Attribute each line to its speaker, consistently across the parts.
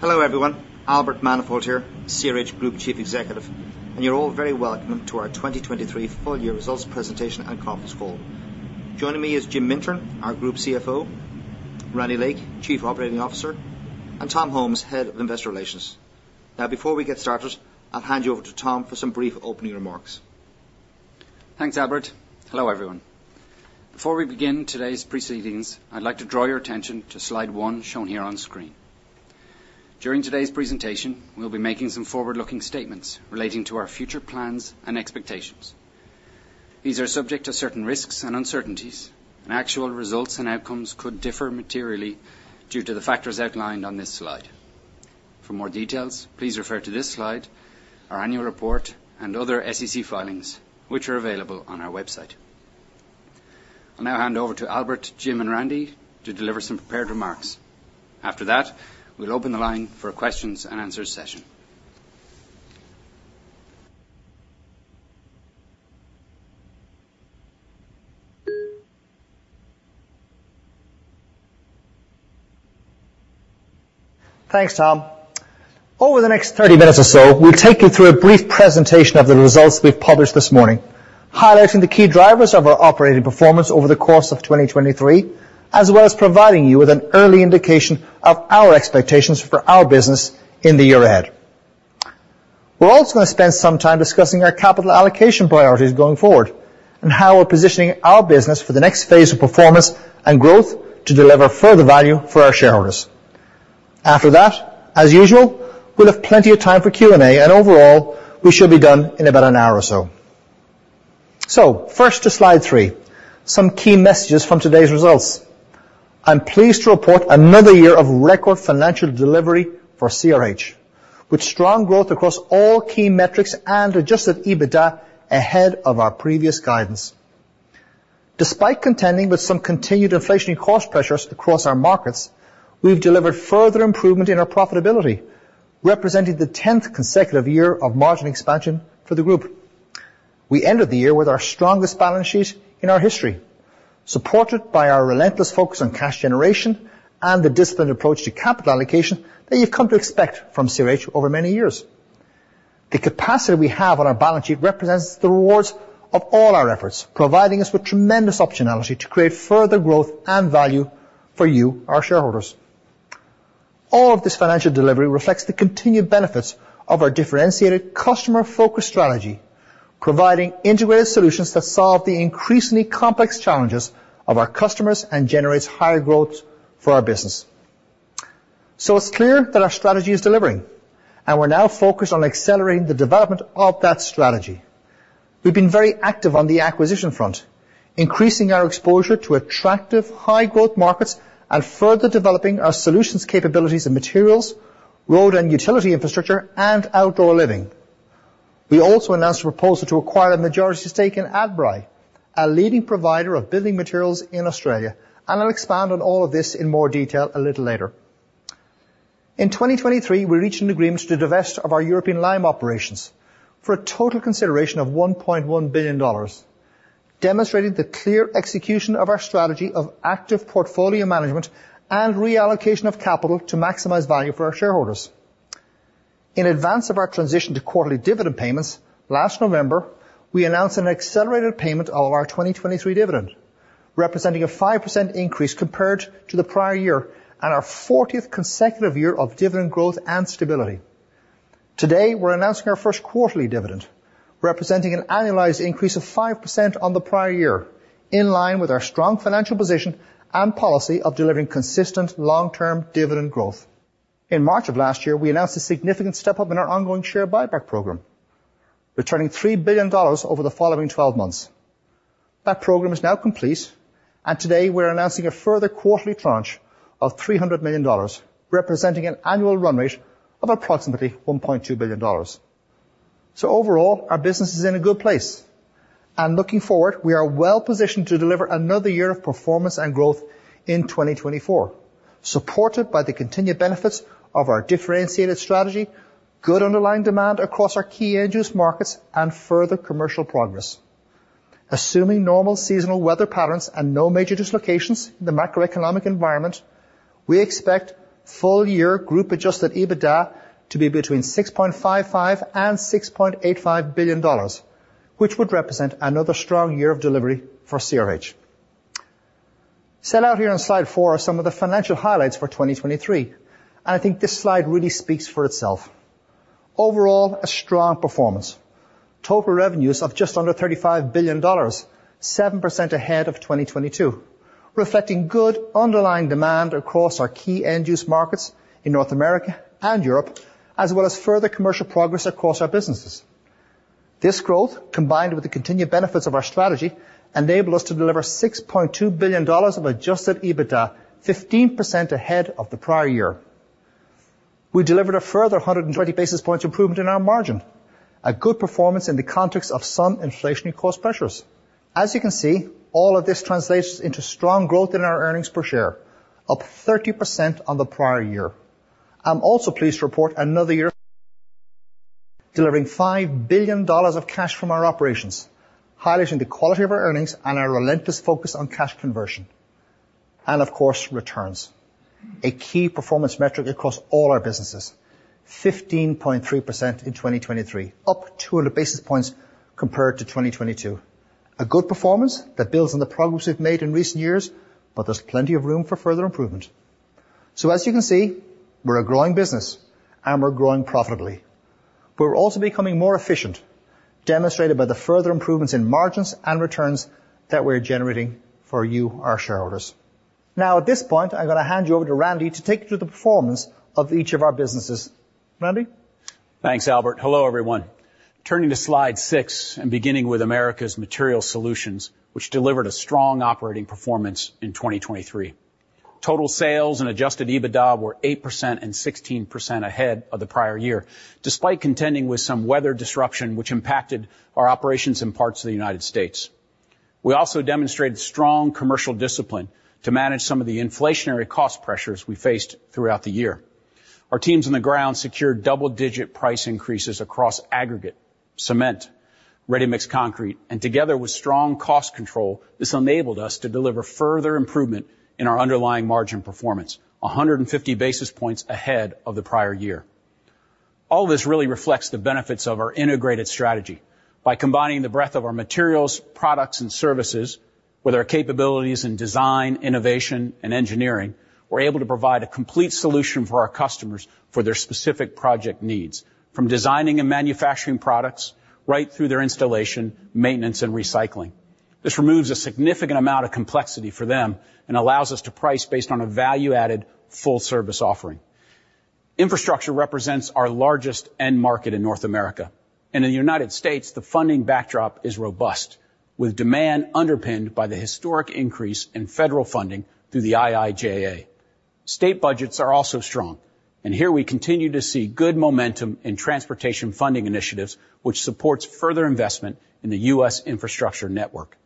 Speaker 1: Hello, everyone. Albert Manifold here, CRH Group Chief Executive. You're all very welcome to our 2023 full year results presentation and conference call. Joining me is Jim Mintern, our Group CFO, Randy Lake, Chief Operating Officer, and Tom Holmes, Head of Investor Relations. Before we get started, I'll hand you over to Tom for some brief opening remarks.
Speaker 2: Thanks, Albert. Hello, everyone. Before we begin today's proceedings, I'd like to draw your attention to slide one shown here on screen. During today's presentation, we'll be making some forward-looking statements relating to our future plans and expectations. These are subject to certain risks and uncertainties. Actual results and outcomes could differ materially due to the factors outlined on this slide. For more details, please refer to this slide, our annual report, and other SEC filings, which are available on our website. I'll hand over to Albert, Jim, and Randy to deliver some prepared remarks. After that, we'll open the line for questions and answer session.
Speaker 1: Thanks, Tom. Over the next 30 minutes or so, we'll take you through a brief presentation of the results we've published this morning, highlighting the key drivers of our operating performance over the course of 2023, as well as providing you with an early indication of our expectations for our business in the year ahead. We're also going to spend some time discussing our capital allocation priorities going forward and how we're positioning our business for the next phase of performance and growth to deliver further value for our shareholders. After that, as usual, we'll have plenty of time for Q&A. Overall, we should be done in about an hour or so. First to slide three, some key messages from today's results. I'm pleased to report another year of record financial delivery for CRH, with strong growth across all key metrics and adjusted EBITDA ahead of our previous guidance. Despite contending with some continued inflationary cost pressures across our markets, we've delivered further improvement in our profitability, representing the tenth consecutive year of margin expansion for the group. We ended the year with our strongest balance sheet in our history, supported by our relentless focus on cash generation and the disciplined approach to capital allocation that you've come to expect from CRH over many years. The capacity we have on our balance sheet represents the rewards of all our efforts, providing us with tremendous optionality to create further growth and value for you, our shareholders. All of this financial delivery reflects the continued benefits of our differentiated customer-focused strategy, providing integrated solutions that solve the increasingly complex challenges of our customers and generates higher growth for our business. It's clear that our strategy is delivering, and we're now focused on accelerating the development of that strategy. We've been very active on the acquisition front, increasing our exposure to attractive high-growth markets and further developing our solutions capabilities and materials, road and utility infrastructure, and Outdoor Living. We also announced a proposal to acquire a majority stake in Adbri, a leading provider of building materials in Australia. I'll expand on all of this in more detail a little later. In 2023, we reached an agreement to divest of our European lime operations for a total consideration of $1.1 billion, demonstrating the clear execution of our strategy of active portfolio management and reallocation of capital to maximize value for our shareholders. In advance of our transition to quarterly dividend payments, last November, we announced an accelerated payment of our 2023 dividend, representing a 5% increase compared to the prior year and our fortieth consecutive year of dividend growth and stability. Today, we're announcing our first quarterly dividend, representing an annualized increase of 5% on the prior year, in line with our strong financial position and policy of delivering consistent long-term dividend growth. In March of last year, we announced a significant step-up in our ongoing share buyback program, returning $3 billion over the following 12 months. That program is now complete. Today, we're announcing a further quarterly tranche of $300 million, representing an annual run rate of approximately $1.2 billion. Overall, our business is in a good place. Looking forward, we are well-positioned to deliver another year of performance and growth in 2024, supported by the continued benefits of our differentiated strategy, good underlying demand across our key end-use markets, and further commercial progress. Assuming normal seasonal weather patterns and no major dislocations in the macroeconomic environment, we expect full-year group adjusted EBITDA to be between $6.55 billion and $6.85 billion, which would represent another strong year of delivery for CRH. Set out here on slide four are some of the financial highlights for 2023. I think this slide really speaks for itself. Overall, a strong performance. Total revenues of just under $35 billion, 7% ahead of 2022, reflecting good underlying demand across our key end-use markets in North America and Europe, as well as further commercial progress across our businesses. This growth, combined with the continued benefits of our strategy, enable us to deliver $6.2 billion of adjusted EBITDA, 15% ahead of the prior year. We delivered a further 120 basis points improvement in our margin, a good performance in the context of some inflationary cost pressures. As you can see, all of this translates into strong growth in our earnings per share, up 30% on the prior year. I'm also pleased to report another year delivering $5 billion of cash from our operations, highlighting the quality of our earnings and our relentless focus on cash conversion. Of course, returns, a key performance metric across all our businesses, 15.3% in 2023, up 200 basis points compared to 2022. A good performance that builds on the progress we've made in recent years, there's plenty of room for further improvement. As you can see, we're a growing business and we're growing profitably. We're also becoming more efficient, demonstrated by the further improvements in margins and returns that we're generating for you, our shareholders. At this point, I'm going to hand you over to Randy to take you through the performance of each of our businesses. Randy?
Speaker 3: Thanks, Albert. Hello, everyone. Turning to slide six and beginning with Americas Material Solutions, which delivered a strong operating performance in 2023. Total sales and adjusted EBITDA were 8% and 16% ahead of the prior year, despite contending with some weather disruption which impacted our operations in parts of the U.S. We also demonstrated strong commercial discipline to manage some of the inflationary cost pressures we faced throughout the year. Our teams on the ground secured double-digit price increases across aggregates, cement, ready-mix concrete, and together with strong cost control, this enabled us to deliver further improvement in our underlying margin performance, 150 basis points ahead of the prior year. All this really reflects the benefits of our integrated strategy. By combining the breadth of our materials, products, and services with our capabilities in design, innovation, and engineering, we're able to provide a complete solution for our customers for their specific project needs, from designing and manufacturing products right through their installation, maintenance, and recycling. This removes a significant amount of complexity for them and allows us to price based on a value-added full-service offering. Infrastructure represents our largest end market in North America. In the U.S., the funding backdrop is robust, with demand underpinned by the historic increase in federal funding through the IIJA. State budgets are also strong, here we continue to see good momentum in transportation funding initiatives, which supports further investment in the U.S. infrastructure network.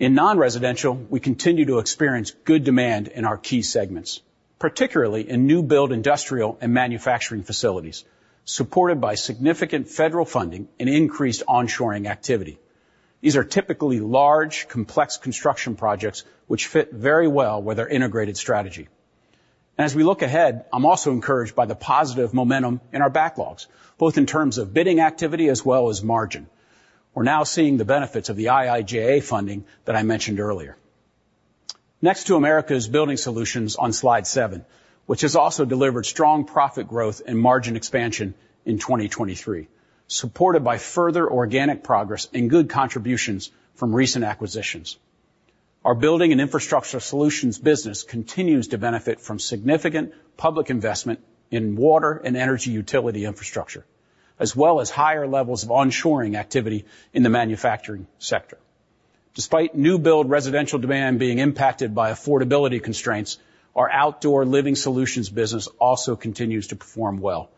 Speaker 3: In non-residential, we continue to experience good demand in our key segments, particularly in new build industrial and manufacturing facilities, supported by significant federal funding and increased onshoring activity. These are typically large, complex construction projects which fit very well with our integrated strategy. As we look ahead, I'm also encouraged by the positive momentum in our backlogs, both in terms of bidding activity as well as margin. We're now seeing the benefits of the IIJA funding that I mentioned earlier. Next to Americas Building Solutions on Slide seven, which has also delivered strong profit growth and margin expansion in 2023, supported by further organic progress and good contributions from recent acquisitions. Our building and infrastructure solutions business continues to benefit from significant public investment in water and energy utility infrastructure, as well as higher levels of onshoring activity in the manufacturing sector. Despite new build residential demand being impacted by affordability constraints, our Outdoor Living Solutions business also continues to perform well,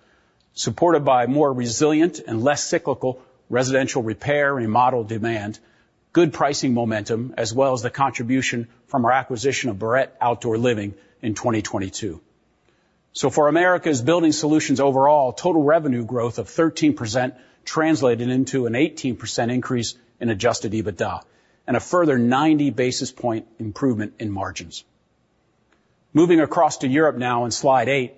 Speaker 3: supported by more resilient and less cyclical residential repair and remodel demand, good pricing momentum, as well as the contribution from our acquisition of Barrette Outdoor Living in 2022. For Americas Building Solutions overall, total revenue growth of 13% translated into an 18% increase in adjusted EBITDA and a further 90 basis point improvement in margins. Moving across to Europe now on slide eight,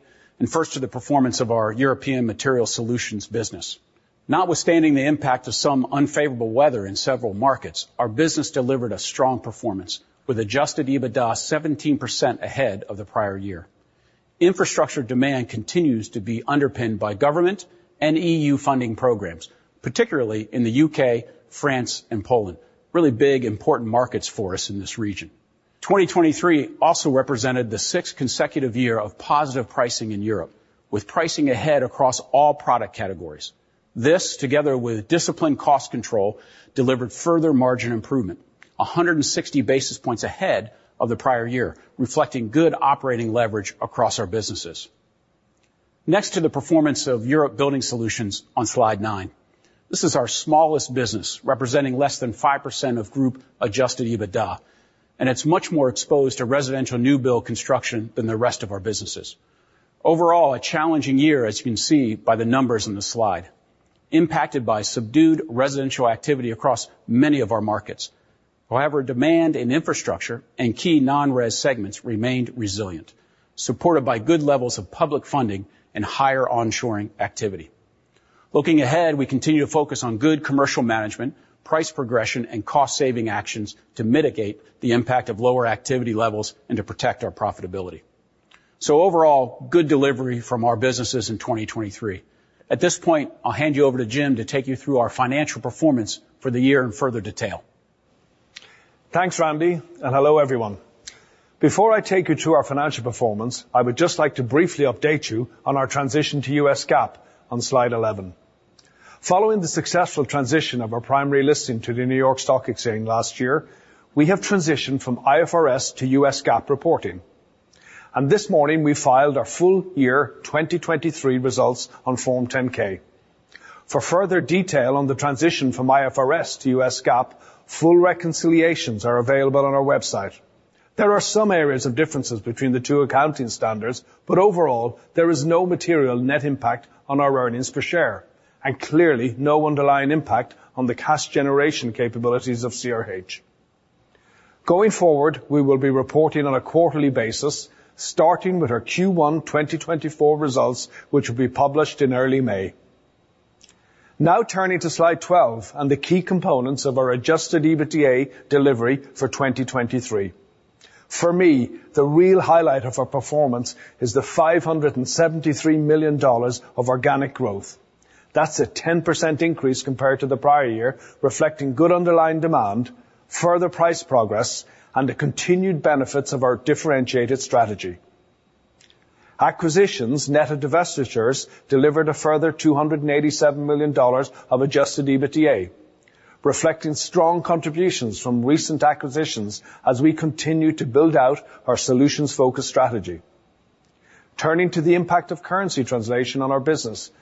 Speaker 3: first to the performance of our Europe Materials Solutions business. Notwithstanding the impact of some unfavorable weather in several markets, our business delivered a strong performance with adjusted EBITDA 17% ahead of the prior year. Infrastructure demand continues to be underpinned by government and EU funding programs, particularly in the U.K., France, and Poland. Really big, important markets for us in this region. 2023 also represented the sixth consecutive year of positive pricing in Europe, with pricing ahead across all product categories. This, together with disciplined cost control, delivered further margin improvement 160 basis points ahead of the prior year, reflecting good operating leverage across our businesses. Next to the performance of Europe Building Solutions on slide nine. This is our smallest business, representing less than 5% of group adjusted EBITDA, and it's much more exposed to residential new build construction than the rest of our businesses. Overall, a challenging year, as you can see by the numbers in the slide, impacted by subdued residential activity across many of our markets. However, demand in infrastructure and key non-res segments remained resilient, supported by good levels of public funding and higher onshoring activity. Looking ahead, we continue to focus on good commercial management, price progression, and cost-saving actions to mitigate the impact of lower activity levels and to protect our profitability. Overall, good delivery from our businesses in 2023. At this point, I'll hand you over to Jim to take you through our financial performance for the year in further detail.
Speaker 1: Thanks, Randy. Hello, everyone. Before I take you to our financial performance, I would just like to briefly update you on our transition to US GAAP on slide 11. Following the successful transition of our primary listing to the New York Stock Exchange last year, we have transitioned from IFRS to US GAAP reporting. This morning we filed our full year 2023 results on Form 10-K. For further detail on the transition from IFRS to US GAAP, full reconciliations are available on our website.
Speaker 4: There are some areas of differences between the two accounting standards, but overall, there is no material net impact on our earnings per share and clearly no underlying impact on the cash generation capabilities of CRH. Going forward, we will be reporting on a quarterly basis, starting with our Q1 2024 results, which will be published in early May. Turning to slide 12 and the key components of our adjusted EBITDA delivery for 2023. For me, the real highlight of our performance is the $573 million of organic growth. That's a 10% increase compared to the prior year, reflecting good underlying demand, further price progress, and the continued benefits of our differentiated strategy. Acquisitions net of divestitures delivered a further $287 million of adjusted EBITDA, reflecting strong contributions from recent acquisitions as we continue to build out our solutions-focused strategy. Turning to the impact of currency translation on our business.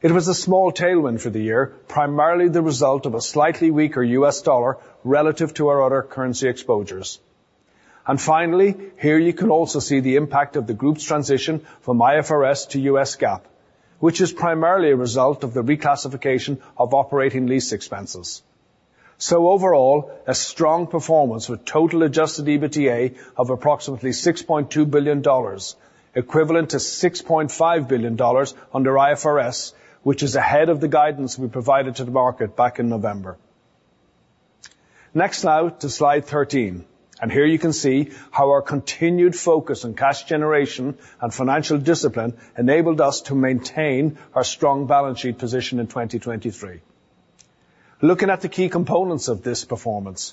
Speaker 4: It was a small tailwind for the year, primarily the result of a slightly weaker U.S. dollar relative to our other currency exposures. Finally, here you can also see the impact of the group's transition from IFRS to U.S. GAAP, which is primarily a result of the reclassification of operating lease expenses. Overall, a strong performance with total adjusted EBITDA of approximately $6.2 billion, equivalent to $6.5 billion under IFRS, which is ahead of the guidance we provided to the market back in November. Next, to slide 13, here you can see how our continued focus on cash generation and financial discipline enabled us to maintain our strong balance sheet position in 2023. Looking at the key components of this performance.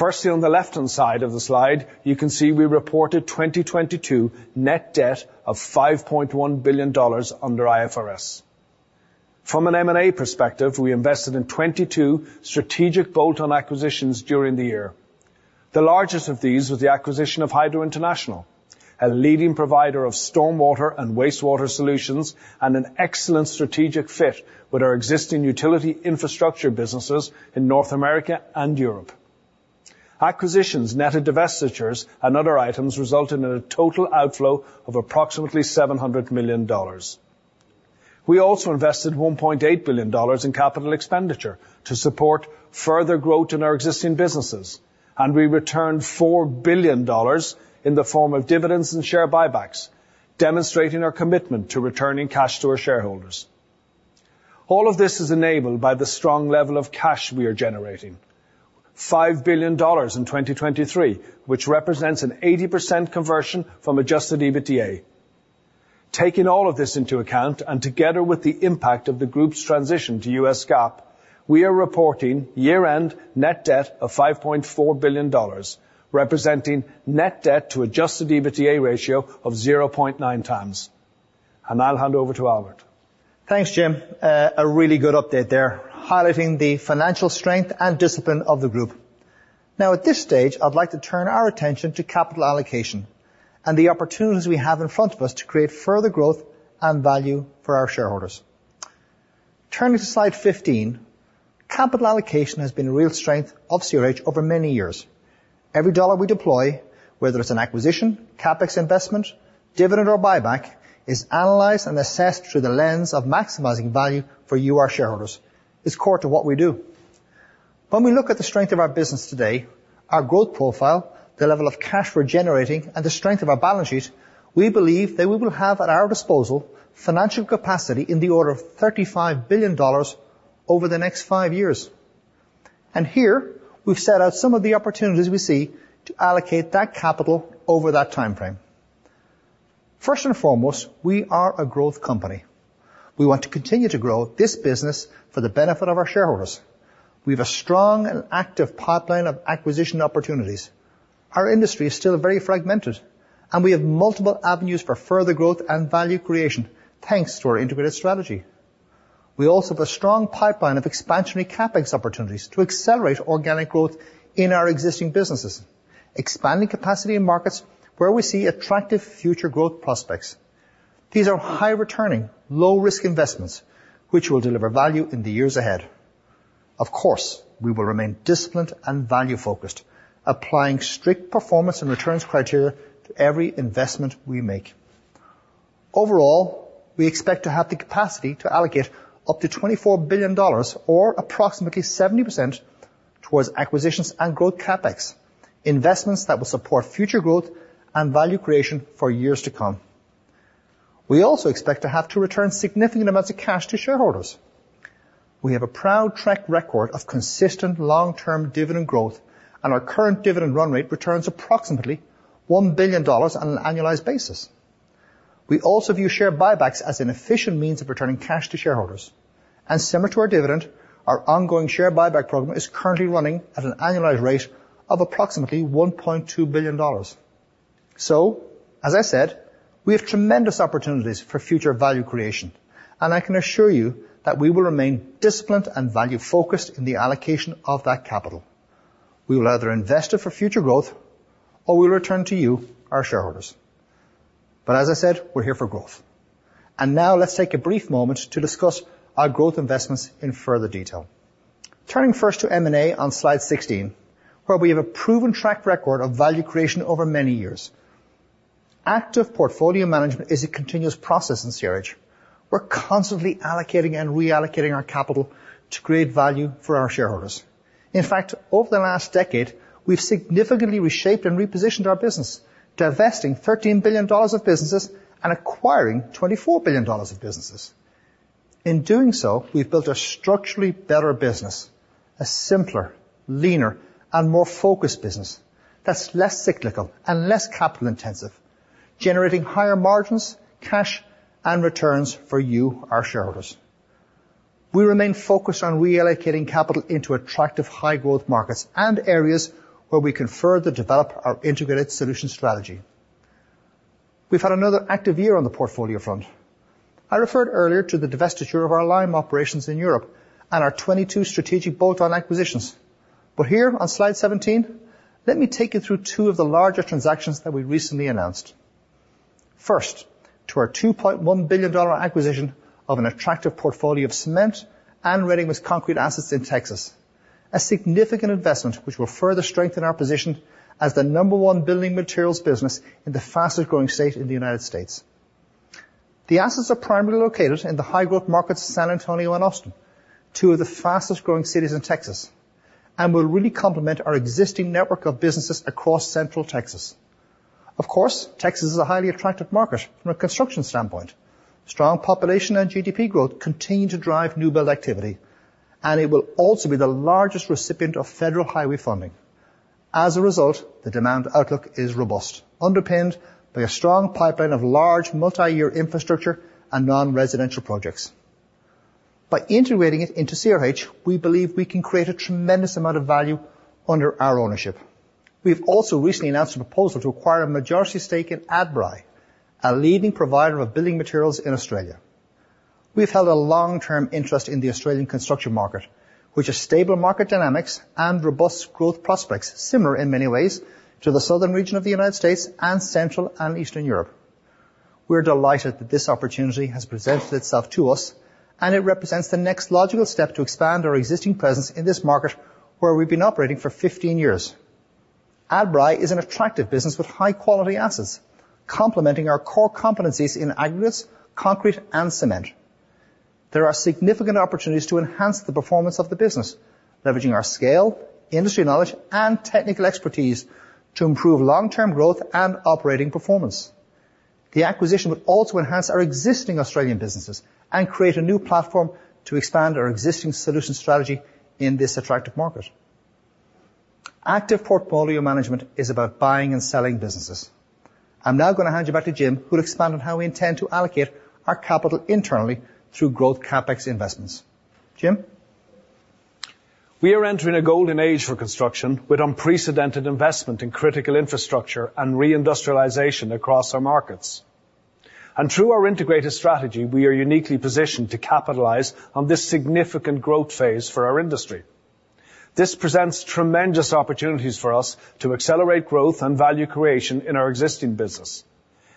Speaker 4: Firstly, on the left-hand side of the slide, you can see we reported 2022 net debt of $5.1 billion under IFRS. From an M&A perspective, we invested in 22 strategic bolt-on acquisitions during the year. The largest of these was the acquisition of Hydro International, a leading provider of stormwater and wastewater solutions and an excellent strategic fit with our existing utility infrastructure businesses in North America and Europe. Acquisitions net of divestitures and other items resulted in a total outflow of approximately $700 million. We also invested $1.8 billion in capital expenditure to support further growth in our existing businesses, and we returned $4 billion in the form of dividends and share buybacks, demonstrating our commitment to returning cash to our shareholders. All of this is enabled by the strong level of cash we are generating, $5 billion in 2023, which represents an 80% conversion from adjusted EBITDA. Taking all of this into account and together with the impact of the group's transition to U.S. GAAP, we are reporting year-end net debt of $5.4 billion, representing net debt to adjusted EBITDA ratio of 0.9 times. I'll hand over to Albert.
Speaker 1: Thanks, Jim. A really good update there, highlighting the financial strength and discipline of the group. At this stage, I'd like to turn our attention to capital allocation and the opportunities we have in front of us to create further growth and value for our shareholders. Turning to slide 15. Capital allocation has been a real strength of CRH over many years. Every dollar we deploy, whether it's an acquisition, CapEx investment, dividend, or buyback, is analyzed and assessed through the lens of maximizing value for you, our shareholders. It's core to what we do. When we look at the strength of our business today, our growth profile, the level of cash we're generating, and the strength of our balance sheet, we believe that we will have at our disposal financial capacity in the order of $35 billion over the next five years. Here we've set out some of the opportunities we see to allocate that capital over that timeframe. First and foremost, we are a growth company. We want to continue to grow this business for the benefit of our shareholders. We have a strong and active pipeline of acquisition opportunities. Our industry is still very fragmented, and we have multiple avenues for further growth and value creation, thanks to our integrated strategy. We also have a strong pipeline of expansionary CapEx opportunities to accelerate organic growth in our existing businesses, expanding capacity in markets where we see attractive future growth prospects. These are high-returning, low-risk investments, which will deliver value in the years ahead. Of course, we will remain disciplined and value-focused, applying strict performance and returns criteria to every investment we make. Overall, we expect to have the capacity to allocate up to $24 billion, or approximately 70%, towards acquisitions and growth CapEx, investments that will support future growth and value creation for years to come. We also expect to have to return significant amounts of cash to shareholders. We have a proud track record of consistent long-term dividend growth, and our current dividend run rate returns approximately $1 billion on an annualized basis. Similar to our dividend, our ongoing share buyback program is currently running at an annualized rate of approximately $1.2 billion. As I said, we have tremendous opportunities for future value creation, and I can assure you that we will remain disciplined and value-focused in the allocation of that capital. We will either invest it for future growth or we will return to you, our shareholders. As I said, we're here for growth. Now let's take a brief moment to discuss our growth investments in further detail. Turning first to M&A on slide 16, where we have a proven track record of value creation over many years. Active portfolio management is a continuous process in CRH. We're constantly allocating and reallocating our capital to create value for our shareholders. In fact, over the last decade, we've significantly reshaped and repositioned our business, divesting $13 billion of businesses and acquiring $24 billion of businesses. In doing so, we've built a structurally better business. A simpler, leaner and more focused business that's less cyclical and less capital-intensive, generating higher margins, cash and returns for you, our shareholders. We remain focused on reallocating capital into attractive high-growth markets and areas where we can further develop our integrated solution strategy. We've had another active year on the portfolio front. I referred earlier to the divestiture of our lime operations in Europe and our 22 strategic bolt-on acquisitions. Here on slide 17, let me take you through two of the larger transactions that we recently announced. First, to our $2.1 billion acquisition of an attractive portfolio of cement and ready-mixed concrete assets in Texas. A significant investment which will further strengthen our position as the number one building materials business in the fastest-growing state in the U.S. The assets are primarily located in the high-growth markets of San Antonio and Austin, two of the fastest-growing cities in Texas, and will really complement our existing network of businesses across Central Texas. Of course, Texas is a highly attractive market from a construction standpoint. Strong population and GDP growth continue to drive new build activity. It will also be the largest recipient of federal highway funding. As a result, the demand outlook is robust, underpinned by a strong pipeline of large multi-year infrastructure and non-residential projects. By integrating it into CRH, we believe we can create a tremendous amount of value under our ownership. We've also recently announced a proposal to acquire a majority stake in Adbri, a leading provider of building materials in Australia. We've held a long-term interest in the Australian construction market, which has stable market dynamics and robust growth prospects, similar in many ways to the southern region of the U.S. and Central and Eastern Europe. We're delighted that this opportunity has presented itself to us. It represents the next logical step to expand our existing presence in this market, where we've been operating for 15 years. Adbri is an attractive business with high-quality assets complementing our core competencies in aggregates, concrete and cement. There are significant opportunities to enhance the performance of the business, leveraging our scale, industry knowledge, and technical expertise to improve long-term growth and operating performance. The acquisition will also enhance our existing Australian businesses and create a new platform to expand our existing solution strategy in this attractive market. Active portfolio management is about buying and selling businesses. I'm now going to hand you back to Jim, who'll expand on how we intend to allocate our capital internally through growth CapEx investments. Jim?
Speaker 4: We are entering a golden age for construction, with unprecedented investment in critical infrastructure and reindustrialization across our markets. Through our integrated strategy, we are uniquely positioned to capitalize on this significant growth phase for our industry. This presents tremendous opportunities for us to accelerate growth and value creation in our existing business.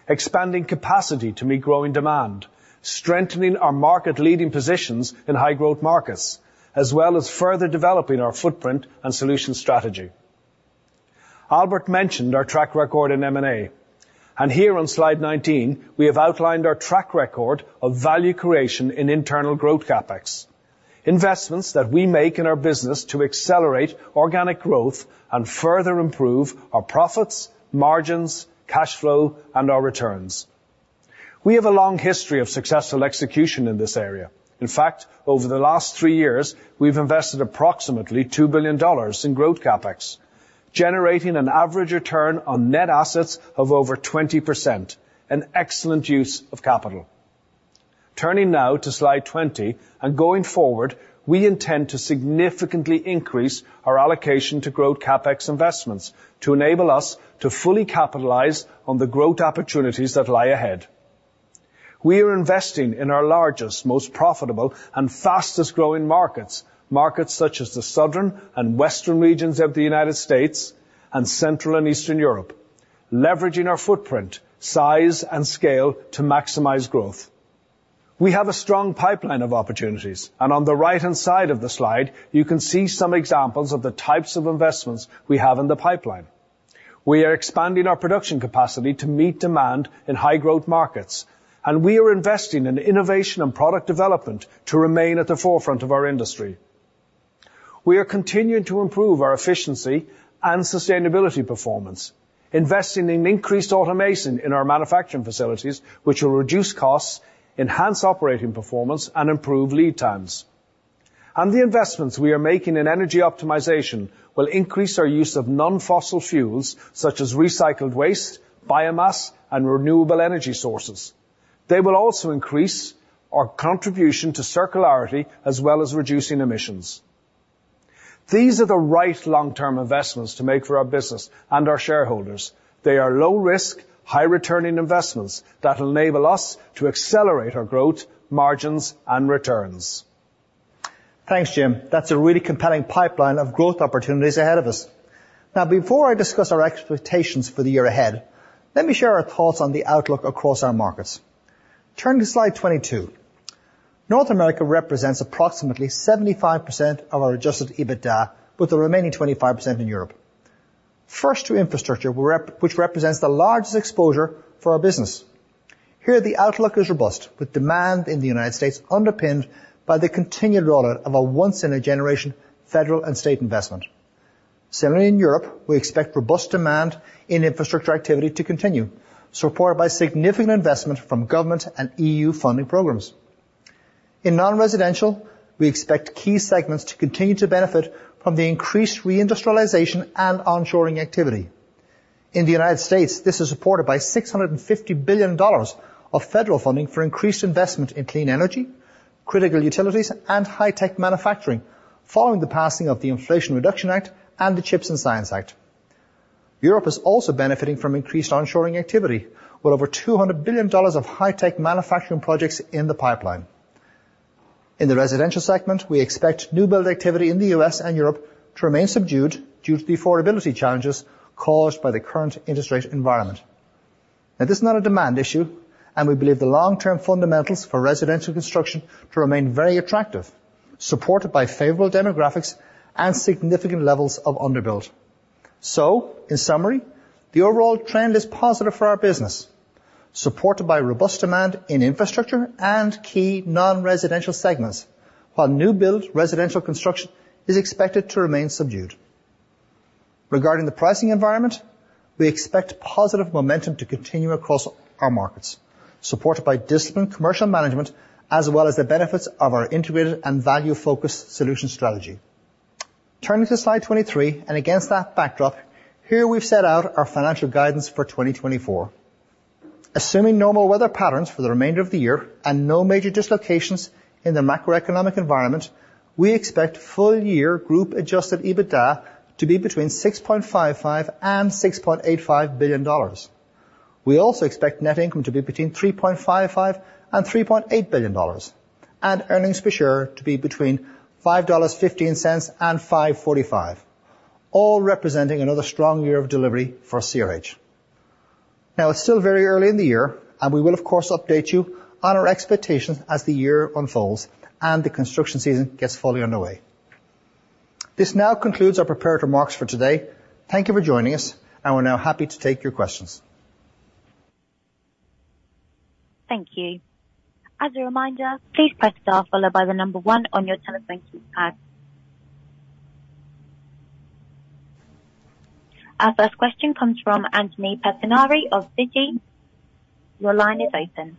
Speaker 4: Expanding capacity to meet growing demand, strengthening our market-leading positions in high-growth markets, as well as further developing our footprint and solution strategy. Albert mentioned our track record in M&A, and here on slide 19, we have outlined our track record of value creation in internal growth CapEx. Investments that we make in our business to accelerate organic growth and further improve our profits, margins, cash flow, and our returns. We have a long history of successful execution in this area. In fact, over the last three years, we've invested approximately $2 billion in growth CapEx, generating an average return on net assets of over 20%, an excellent use of capital. Turning now to slide 20, going forward, we intend to significantly increase our allocation to growth CapEx investments to enable us to fully capitalize on the growth opportunities that lie ahead. We are investing in our largest, most profitable and fastest-growing markets. Markets such as the Southern and Western regions of the United States and Central and Eastern Europe, leveraging our footprint, size and scale to maximize growth. We have a strong pipeline of opportunities, on the right-hand side of the slide, you can see some examples of the types of investments we have in the pipeline. We are expanding our production capacity to meet demand in high-growth markets, we are investing in innovation and product development to remain at the forefront of our industry. We are continuing to improve our efficiency and sustainability performance, investing in increased automation in our manufacturing facilities, which will reduce costs, enhance operating performance, and improve lead times. The investments we are making in energy optimization will increase our use of non-fossil fuels such as recycled waste, biomass, and renewable energy sources. They will also increase our contribution to circularity as well as reducing emissions. These are the right long-term investments to make for our business and our shareholders. They are low-risk, high-returning investments that enable us to accelerate our growth, margins, and returns.
Speaker 1: Thanks, Jim. That's a really compelling pipeline of growth opportunities ahead of us. Now, before I discuss our expectations for the year ahead, let me share our thoughts on the outlook across our markets. Turning to slide 22. North America represents approximately 75% of our adjusted EBITDA, with the remaining 25% in Europe. First, to infrastructure, which represents the largest exposure for our business. Here, the outlook is robust, with demand in the United States underpinned by the continued rollout of a once-in-a-generation federal and state investment. Similarly, in Europe, we expect robust demand in infrastructure activity to continue, supported by significant investment from government and EU funding programs. In non-residential, we expect key segments to continue to benefit from the increased reindustrialization and onshoring activity. In the United States, this is supported by $650 billion of federal funding for increased investment in clean energy, critical utilities, and high-tech manufacturing following the passing of the Inflation Reduction Act and the CHIPS and Science Act. Europe is also benefiting from increased onshoring activity, with over $200 billion of high-tech manufacturing projects in the pipeline. In the residential segment, we expect new build activity in the U.S. and Europe to remain subdued due to the affordability challenges caused by the current interest rate environment. Now, this is not a demand issue, we believe the long-term fundamentals for residential construction to remain very attractive, supported by favorable demographics and significant levels of underbuild. In summary, the overall trend is positive for our business, supported by robust demand in infrastructure and key non-residential segments, while new build residential construction is expected to remain subdued. Regarding the pricing environment, we expect positive momentum to continue across our markets, supported by disciplined commercial management, as well as the benefits of our integrated and value-focused solutions strategy. Turning to slide 23, and against that backdrop, here we've set out our financial guidance for 2024. Assuming normal weather patterns for the remainder of the year and no major dislocations in the macroeconomic environment, we expect full year group-adjusted EBITDA to be between $6.55 billion and $6.85 billion. We also expect net income to be between $3.55 billion and $3.8 billion, and earnings per share to be between $5.15 and $5.45, all representing another strong year of delivery for CRH. It's still very early in the year, and we will, of course, update you on our expectations as the year unfolds and the construction season gets fully underway. This now concludes our prepared remarks for today. Thank you for joining us. We're now happy to take your questions.
Speaker 5: Thank you. As a reminder, please press star followed by the number one on your telephone keypad. Our first question comes from Anthony Pettinari of Citi. Your line is open.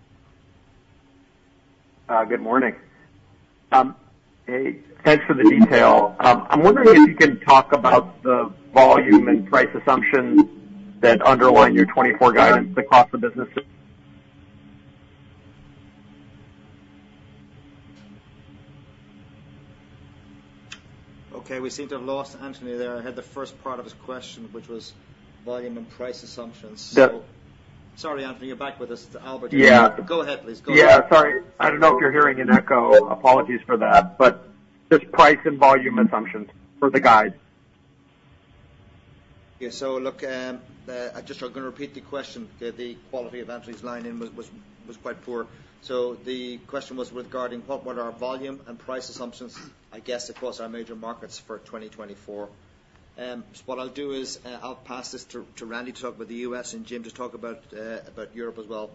Speaker 6: Good morning. Hey, thanks for the detail. I'm wondering if you can talk about the volume and price assumptions that underline your 2024 guidance across the business.
Speaker 1: Okay. We seem to have lost Anthony there. I heard the first part of his question, which was volume and price assumptions.
Speaker 6: Yep.
Speaker 1: Sorry, Anthony. You're back with us. It's Albert here.
Speaker 6: Yeah.
Speaker 1: Go ahead, please. Go ahead.
Speaker 6: Yeah, sorry. I don't know if you're hearing an echo. Apologies for that, but just price and volume assumptions for the guide.
Speaker 1: Yeah. Look, I just are going to repeat the question. The quality of Anthony Pettinari's line in was quite poor. The question was regarding what are our volume and price assumptions, I guess, across our major markets for 2024. What I'll do is, I'll pass this to Randy Lake to talk about the U.S. and Jim Mintern to talk about Europe as well.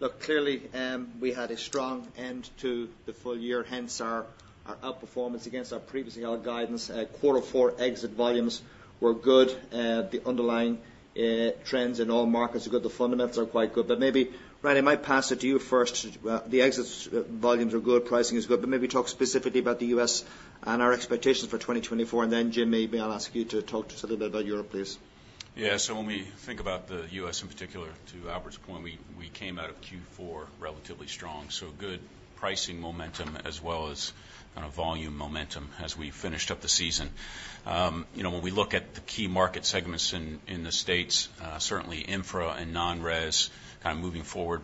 Speaker 1: Look, clearly, we had a strong end to the full year, hence our outperformance against our previously held guidance. Q4 exit volumes were good. The underlying trends in all markets are good. The fundamentals are quite good. Maybe, Randy Lake, I might pass it to you first. The exit volumes are good, pricing is good, maybe talk specifically about the U.S. and our expectations for 2024. Jim Mintern, maybe I'll ask you to talk to us a little bit about Europe, please.
Speaker 3: Yeah. When we think about the U.S. in particular, to Albert Manifold's point, we came out of Q4 relatively strong. Good pricing momentum as well as kind of volume momentum as we finished up the season. When we look at the key market segments in the States, certainly infra and non-res kind of moving forward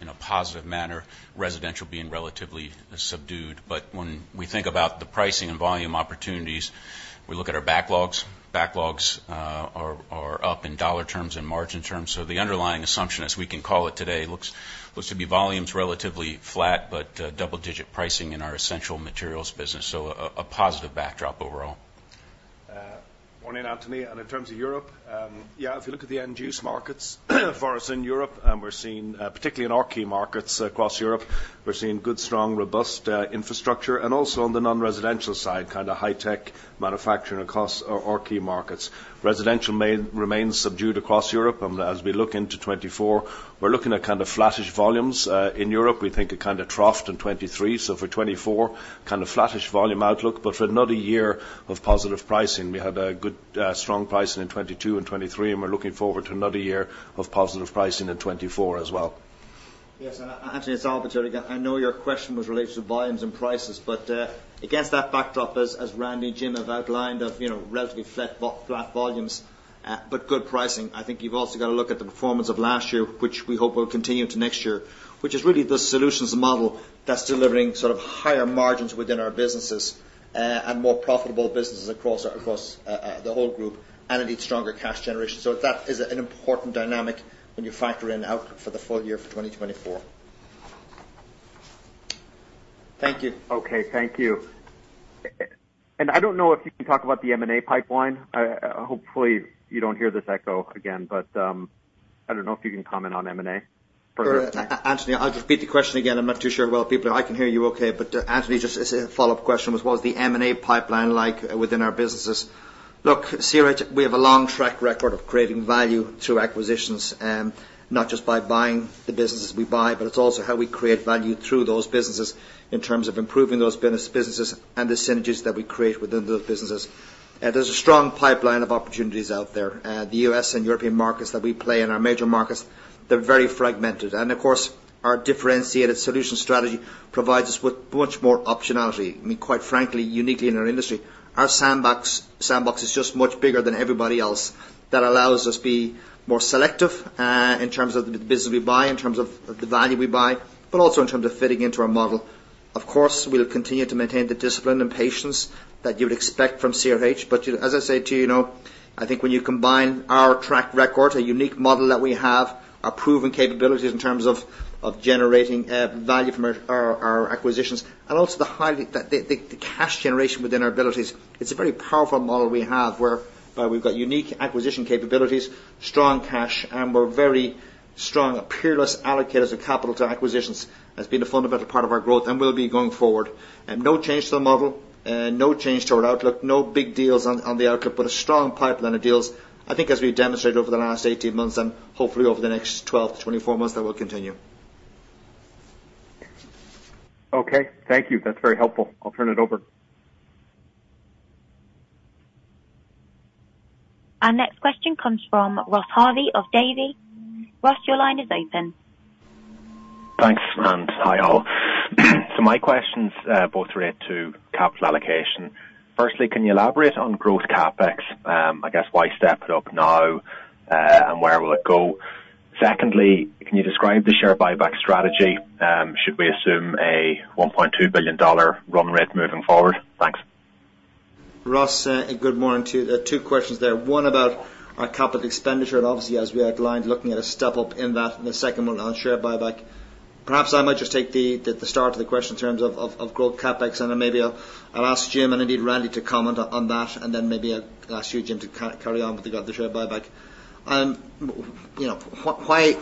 Speaker 3: in a positive manner, residential being relatively subdued. When we think about the pricing and volume opportunities, we look at our backlogs. Backlogs are up in dollar terms and margin terms. The underlying assumption, as we can call it today, looks to be volumes relatively flat, double-digit pricing in our Essential Materials business. A positive backdrop overall.
Speaker 4: Morning, Anthony Pettinari. In terms of Europe, yeah, if you look at the end-use markets for us in Europe, we're seeing, particularly in our key markets across Europe, we're seeing good, strong, robust infrastructure. Also on the non-residential side, kind of high-tech manufacturing across our key markets. Residential remains subdued across Europe. As we look into 2024, we're looking at kind of flattish volumes. In Europe, we think a kind of trough in 2023, for 2024, kind of flattish volume outlook, for another year of positive pricing. We had a good strong pricing in 2022 and 2023, we're looking forward to another year of positive pricing in 2024 as well.
Speaker 1: Yes. Anthony Pettinari, I know your question was related to volumes and prices, against that backdrop, as Randy Lake and Jim Mintern have outlined, of relatively flat volumes, good pricing, I think you've also got to look at the performance of last year, which we hope will continue to next year, which is really the solutions model that's delivering sort of higher margins within our businesses and more profitable businesses across the whole group, indeed stronger cash generation. That is an important dynamic when you factor in outlook for the full year for 2024. Thank you.
Speaker 6: Okay. Thank you. I don't know if you can talk about the M&A pipeline. Hopefully you don't hear this echo again, I don't know if you can comment on M&A.
Speaker 1: Sure. Anthony, I'll just repeat the question again. I'm not too sure how well I can hear you okay. Anthony, just as a follow-up question, what is the M&A pipeline like within our businesses? CRH, we have a long track record of creating value through acquisitions. Not just by buying the businesses we buy, but it's also how we create value through those businesses in terms of improving those businesses and the synergies that we create within those businesses. There's a strong pipeline of opportunities out there. The U.S. and European markets that we play in, our major markets, they're very fragmented. Of course, our differentiated solutions strategy provides us with much more optionality. I mean, quite frankly, uniquely in our industry, our sandbox is just much bigger than everybody else. That allows us be more selective, in terms of the business we buy, in terms of the value we buy, but also in terms of fitting into our model. We'll continue to maintain the discipline and patience that you would expect from CRH. As I said to you, I think when you combine our track record, a unique model that we have, our proven capabilities in terms of generating value from our acquisitions, also the cash generation within our abilities, it's a very powerful model we have, whereby we've got unique acquisition capabilities, strong cash, we're very strong, peerless allocators of capital to acquisitions. That's been a fundamental part of our growth, will be going forward. No change to the model, no change to our outlook, no big deals on the outlook, a strong pipeline of deals. I think as we demonstrated over the last 18 months, hopefully over the next 12-24 months, that will continue.
Speaker 6: Okay. Thank you. That is very helpful. I will turn it over.
Speaker 5: Our next question comes from Ross Harvey of Davy. Ross, your line is open.
Speaker 7: Thanks, and hi all. My questions both relate to capital allocation. Firstly, can you elaborate on growth CapEx? I guess why step it up now, and where will it go? Secondly, can you describe the share buyback strategy? Should we assume a $1.2 billion run rate moving forward? Thanks.
Speaker 1: Ross, good morning to you. Two questions there. One about our capital expenditure, and obviously as we outlined, looking at a step-up in that, and the second one on share buyback. Perhaps I might just take the start of the question in terms of growth CapEx, and then maybe I will ask Jim and indeed Randy to comment on that, and then maybe I will ask you, Jim, to carry on with the share buyback.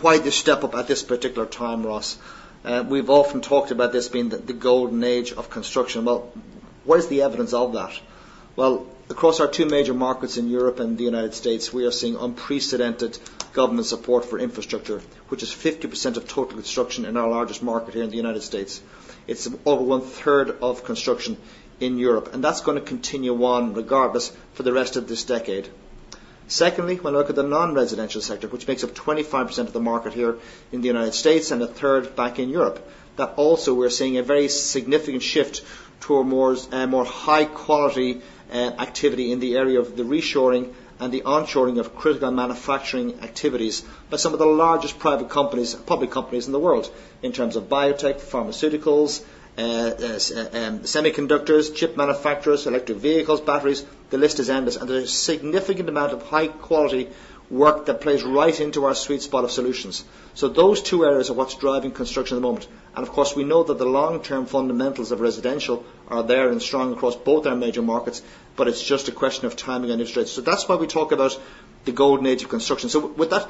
Speaker 1: Why the step-up at this particular time, Ross? We have often talked about this being the golden age of construction. Where is the evidence of that? Across our two major markets in Europe and the United States, we are seeing unprecedented government support for infrastructure, which is 50% of total construction in our largest market here in the United States. It's over one-third of construction in Europe. That's going to continue on regardless for the rest of this decade. Secondly, when we look at the non-residential sector, which makes up 25% of the market here in the U.S. and a third back in Europe, that also we're seeing a very significant shift toward more high quality activity in the area of the reshoring and the onshoring of critical manufacturing activities by some of the largest private companies, public companies in the world, in terms of biotech, pharmaceuticals, semiconductors, chip manufacturers, electric vehicles, batteries. The list is endless. There's a significant amount of high quality work that plays right into our sweet spot of solutions. Those two areas are what's driving construction at the moment. Of course, we know that the long-term fundamentals of residential are there and strong across both our major markets, but it's just a question of timing and interest rates. That's why we talk about the golden age of construction. With that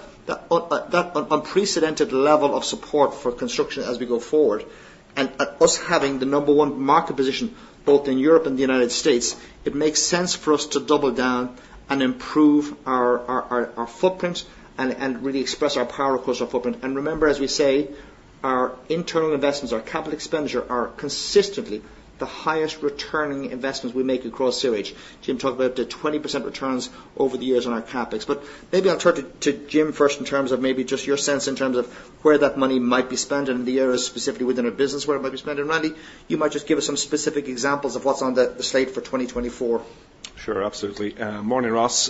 Speaker 1: unprecedented level of support for construction as we go forward, and us having the number 1 market position both in Europe and the U.S., it makes sense for us to double down and improve our footprint and really express our power across our footprint. Remember, as we say, our internal investments, our capital expenditure, are consistently the highest returning investments we make across CRH. Jim talked about the 20% returns over the years on our CapEx. Maybe I'll turn to Jim first in terms of maybe just your sense in terms of where that money might be spent and the areas specifically within our business where it might be spent. Randy, you might just give us some specific examples of what's on the slate for 2024.
Speaker 4: Sure. Absolutely. Morning, Ross.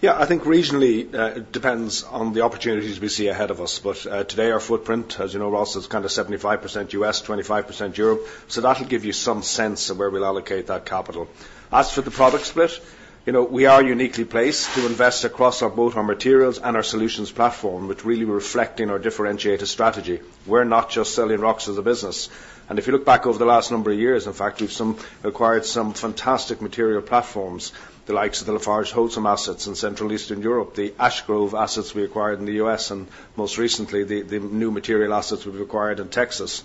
Speaker 4: Yeah, I think regionally, it depends on the opportunities we see ahead of us. Today our footprint, as you know, Ross, is kind of 75% U.S., 25% Europe. That'll give you some sense of where we'll allocate that capital. As for the product split, we are uniquely placed to invest across both our materials and our solutions platform, which really reflecting our differentiated strategy. We're not just selling rocks as a business. If you look back over the last number of years, in fact, we've acquired some fantastic material platforms, the likes of the LafargeHolcim assets in Central and Eastern Europe, the Ash Grove assets we acquired in the U.S., and most recently, the new material assets we've acquired in Texas.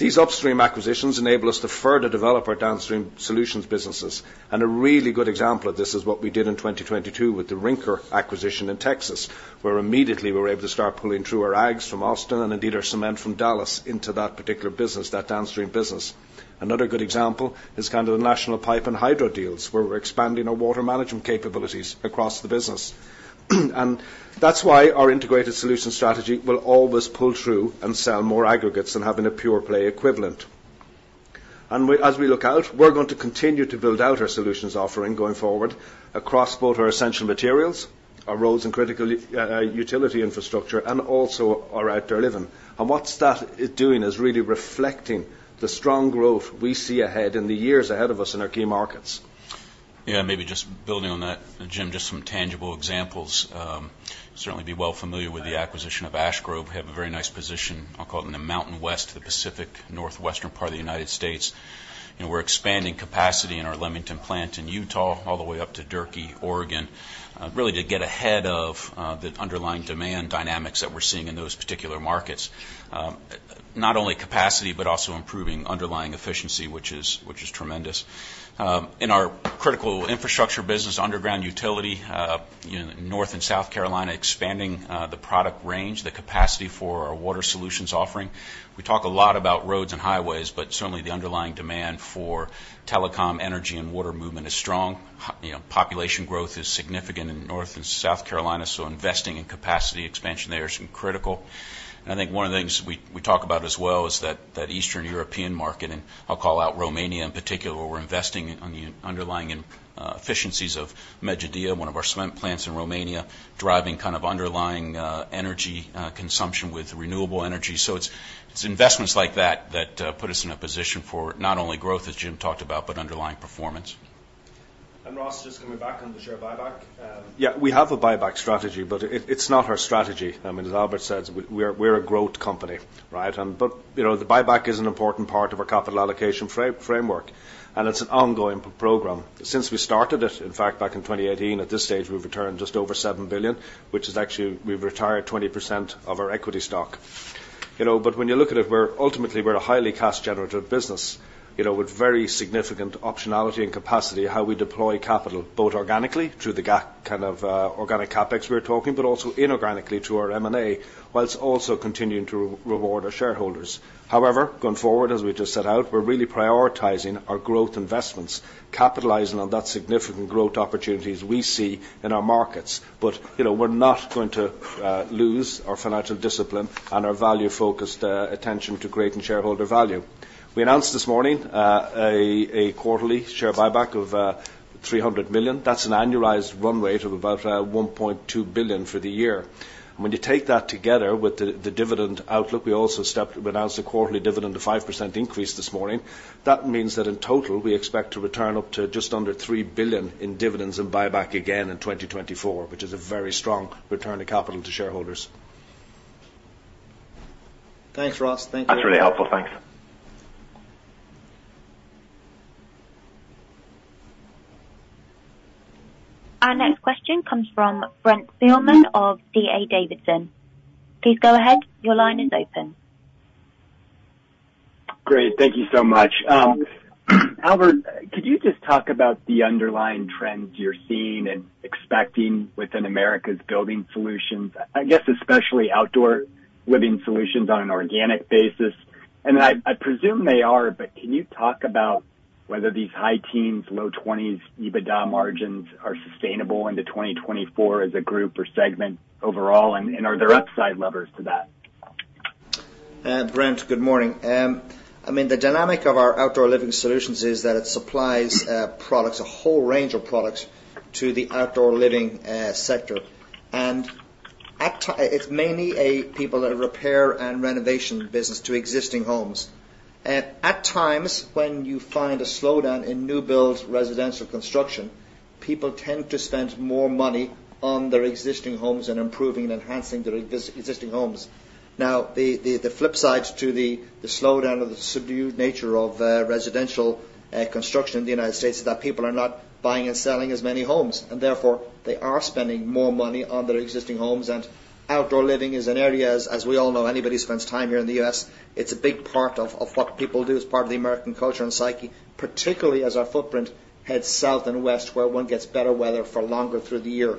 Speaker 4: These upstream acquisitions enable us to further develop our downstream solutions businesses. A really good example of this is what we did in 2022 with the Rinker acquisition in Texas, where immediately we were able to start pulling through our Aggs from Austin and indeed our cement from Dallas into that particular business, that downstream business. Another good example is kind of the National Pipe and Hydro deals, where we're expanding our water management capabilities across the business. That's why our integrated solution strategy will always pull through and sell more aggregates than having a pure play equivalent. As we look out, we're going to continue to build out our solutions offering going forward across both our Essential Materials, our roads and critical utility infrastructure, and also our Outdoor Living. What that is doing is really reflecting the strong growth we see ahead in the years ahead of us in our key markets.
Speaker 3: Yeah, maybe just building on that, Jim, just some tangible examples. Certainly be well familiar with the acquisition of Ash Grove. We have a very nice position, I'll call it in the Mountain West, the Pacific Northwest part of the United States. We're expanding capacity in our Leamington plant in Utah all the way up to Durkee, Oregon, really to get ahead of the underlying demand dynamics that we're seeing in those particular markets. Not only capacity, but also improving underlying efficiency, which is tremendous. In our critical infrastructure business, underground utility, North and South Carolina, expanding the product range, the capacity for our water solutions offering. We talk a lot about roads and highways, but certainly the underlying demand for telecom, energy, and water movement is strong. Population growth is significant in North and South Carolina, so investing in capacity expansion there is critical. I think one of the things we talk about as well is that Eastern European market, I'll call out Romania in particular, where we're investing on the underlying efficiencies of Medgidia, one of our cement plants in Romania, driving kind of underlying energy consumption with renewable energy. It's investments like that put us in a position for not only growth, as Jim talked about, but underlying performance.
Speaker 4: Ross, just coming back on the share buyback. Yeah, we have a buyback strategy, but it's not our strategy. As Albert says, we're a growth company, right? The buyback is an important part of our capital allocation framework, and it's an ongoing program. Since we started it, in fact, back in 2018, at this stage, we've returned just over $7 billion, which is actually we've retired 20% of our equity stock. When you look at it, ultimately, we're a highly cash generative business with very significant optionality and capacity, how we deploy capital, both organically through the gap kind of organic CapEx we're talking, but also inorganically through our M&A, whilst also continuing to reward our shareholders. Going forward, as we just set out, we're really prioritizing our growth investments, capitalizing on that significant growth opportunities we see in our markets. We're not going to lose our financial discipline and our value-focused attention to creating shareholder value. We announced this morning a quarterly share buyback of $300 million. That's an annualized run rate of about $1.2 billion for the year. When you take that together with the dividend outlook, we also announced a quarterly dividend, a 5% increase this morning. That means that in total, we expect to return up to just under $3 billion in dividends and buyback again in 2024, which is a very strong return of capital to shareholders. Thanks, Ross. Thank you.
Speaker 7: That's really helpful. Thanks.
Speaker 5: Our next question comes from Brent Thielman of D.A. Davidson. Please go ahead. Your line is open.
Speaker 8: Great. Thank you so much. Albert, could you just talk about the underlying trends you're seeing and expecting within Americas Building Products, I guess especially Outdoor Living Solutions on an organic basis. Then I presume they are, but can you talk about whether these high teens, low 20s EBITDA margins are sustainable into 2024 as a group or segment overall? Are there upside levers to that?
Speaker 1: Brent, good morning. The dynamic of our Outdoor Living Solutions is that it supplies products, a whole range of products, to the Outdoor Living sector. It's mainly a people that repair and renovation business to existing homes. At times when you find a slowdown in new build residential construction, people tend to spend more money on their existing homes and improving and enhancing their existing homes. The flip side to the slowdown or the subdued nature of residential construction in the U.S. is that people are not buying and selling as many homes, therefore they are spending more money on their existing homes.
Speaker 4: Outdoor Living is an area, as we all know, anybody who spends time here in the U.S., it's a big part of what people do as part of the American culture and psyche, particularly as our footprint heads south and west, where one gets better weather for longer through the year.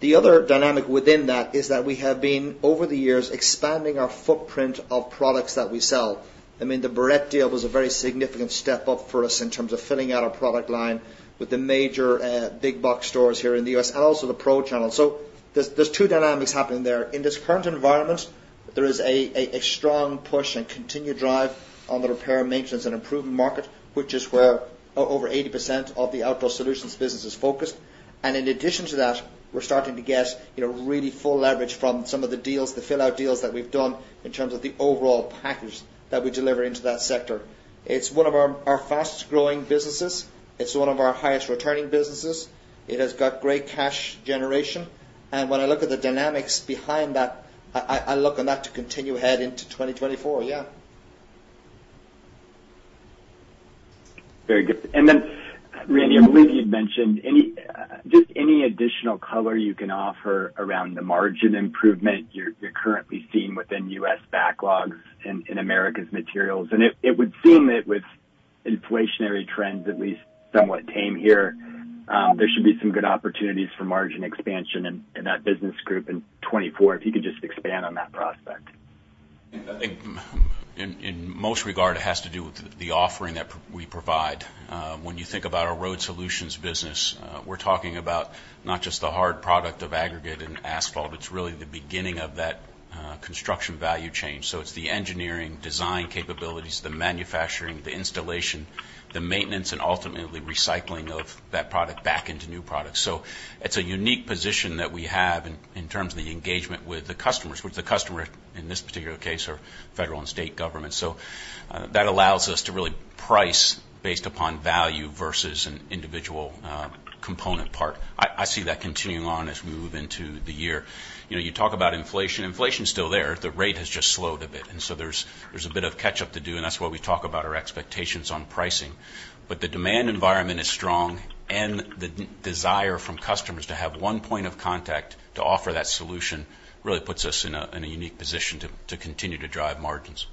Speaker 4: The other dynamic within that is that we have been, over the years, expanding our footprint of products that we sell. The Barrette deal was a very significant step up for us in terms of filling out our product line with the major big box stores here in the U.S., also the pro channel. There's two dynamics happening there. In this current environment, there is a strong push and continued drive on the repair, maintenance, and improvement market, which is where over 80% of the Outdoor Solutions business is focused. In addition to that, we're starting to get really full leverage from some of the deals, the fill-out deals that we've done in terms of the overall package that we deliver into that sector. It's one of our fastest-growing businesses. It's one of our highest returning businesses. It has got great cash generation. When I look at the dynamics behind that, I look on that to continue ahead into 2024, yeah.
Speaker 8: Very good. Randy, I believe you'd mentioned, just any additional color you can offer around the margin improvement you're currently seeing within U.S. backlogs in Americas Materials? It would seem that with inflationary trends at least somewhat tame here, there should be some good opportunities for margin expansion in that business group in 2024. If you could just expand on that prospect.
Speaker 3: I think in most regard, it has to do with the offering that we provide. When you think about our road solutions business, we're talking about not just the hard product of aggregates and asphalt, it's really the beginning of that construction value chain. It's the engineering design capabilities, the manufacturing, the installation, the maintenance, and ultimately recycling of that product back into new products. It's a unique position that we have in terms of the engagement with the customers. With the customer, in this particular case, are federal and state governments. That allows us to really price based upon value versus an individual component part. I see that continuing on as we move into the year. You talk about inflation. Inflation's still there. The rate has just slowed a bit, there's a bit of catch-up to do, and that's why we talk about our expectations on pricing. The demand environment is strong, and the desire from customers to have one point of contact to offer that solution really puts us in a unique position to continue to drive margins.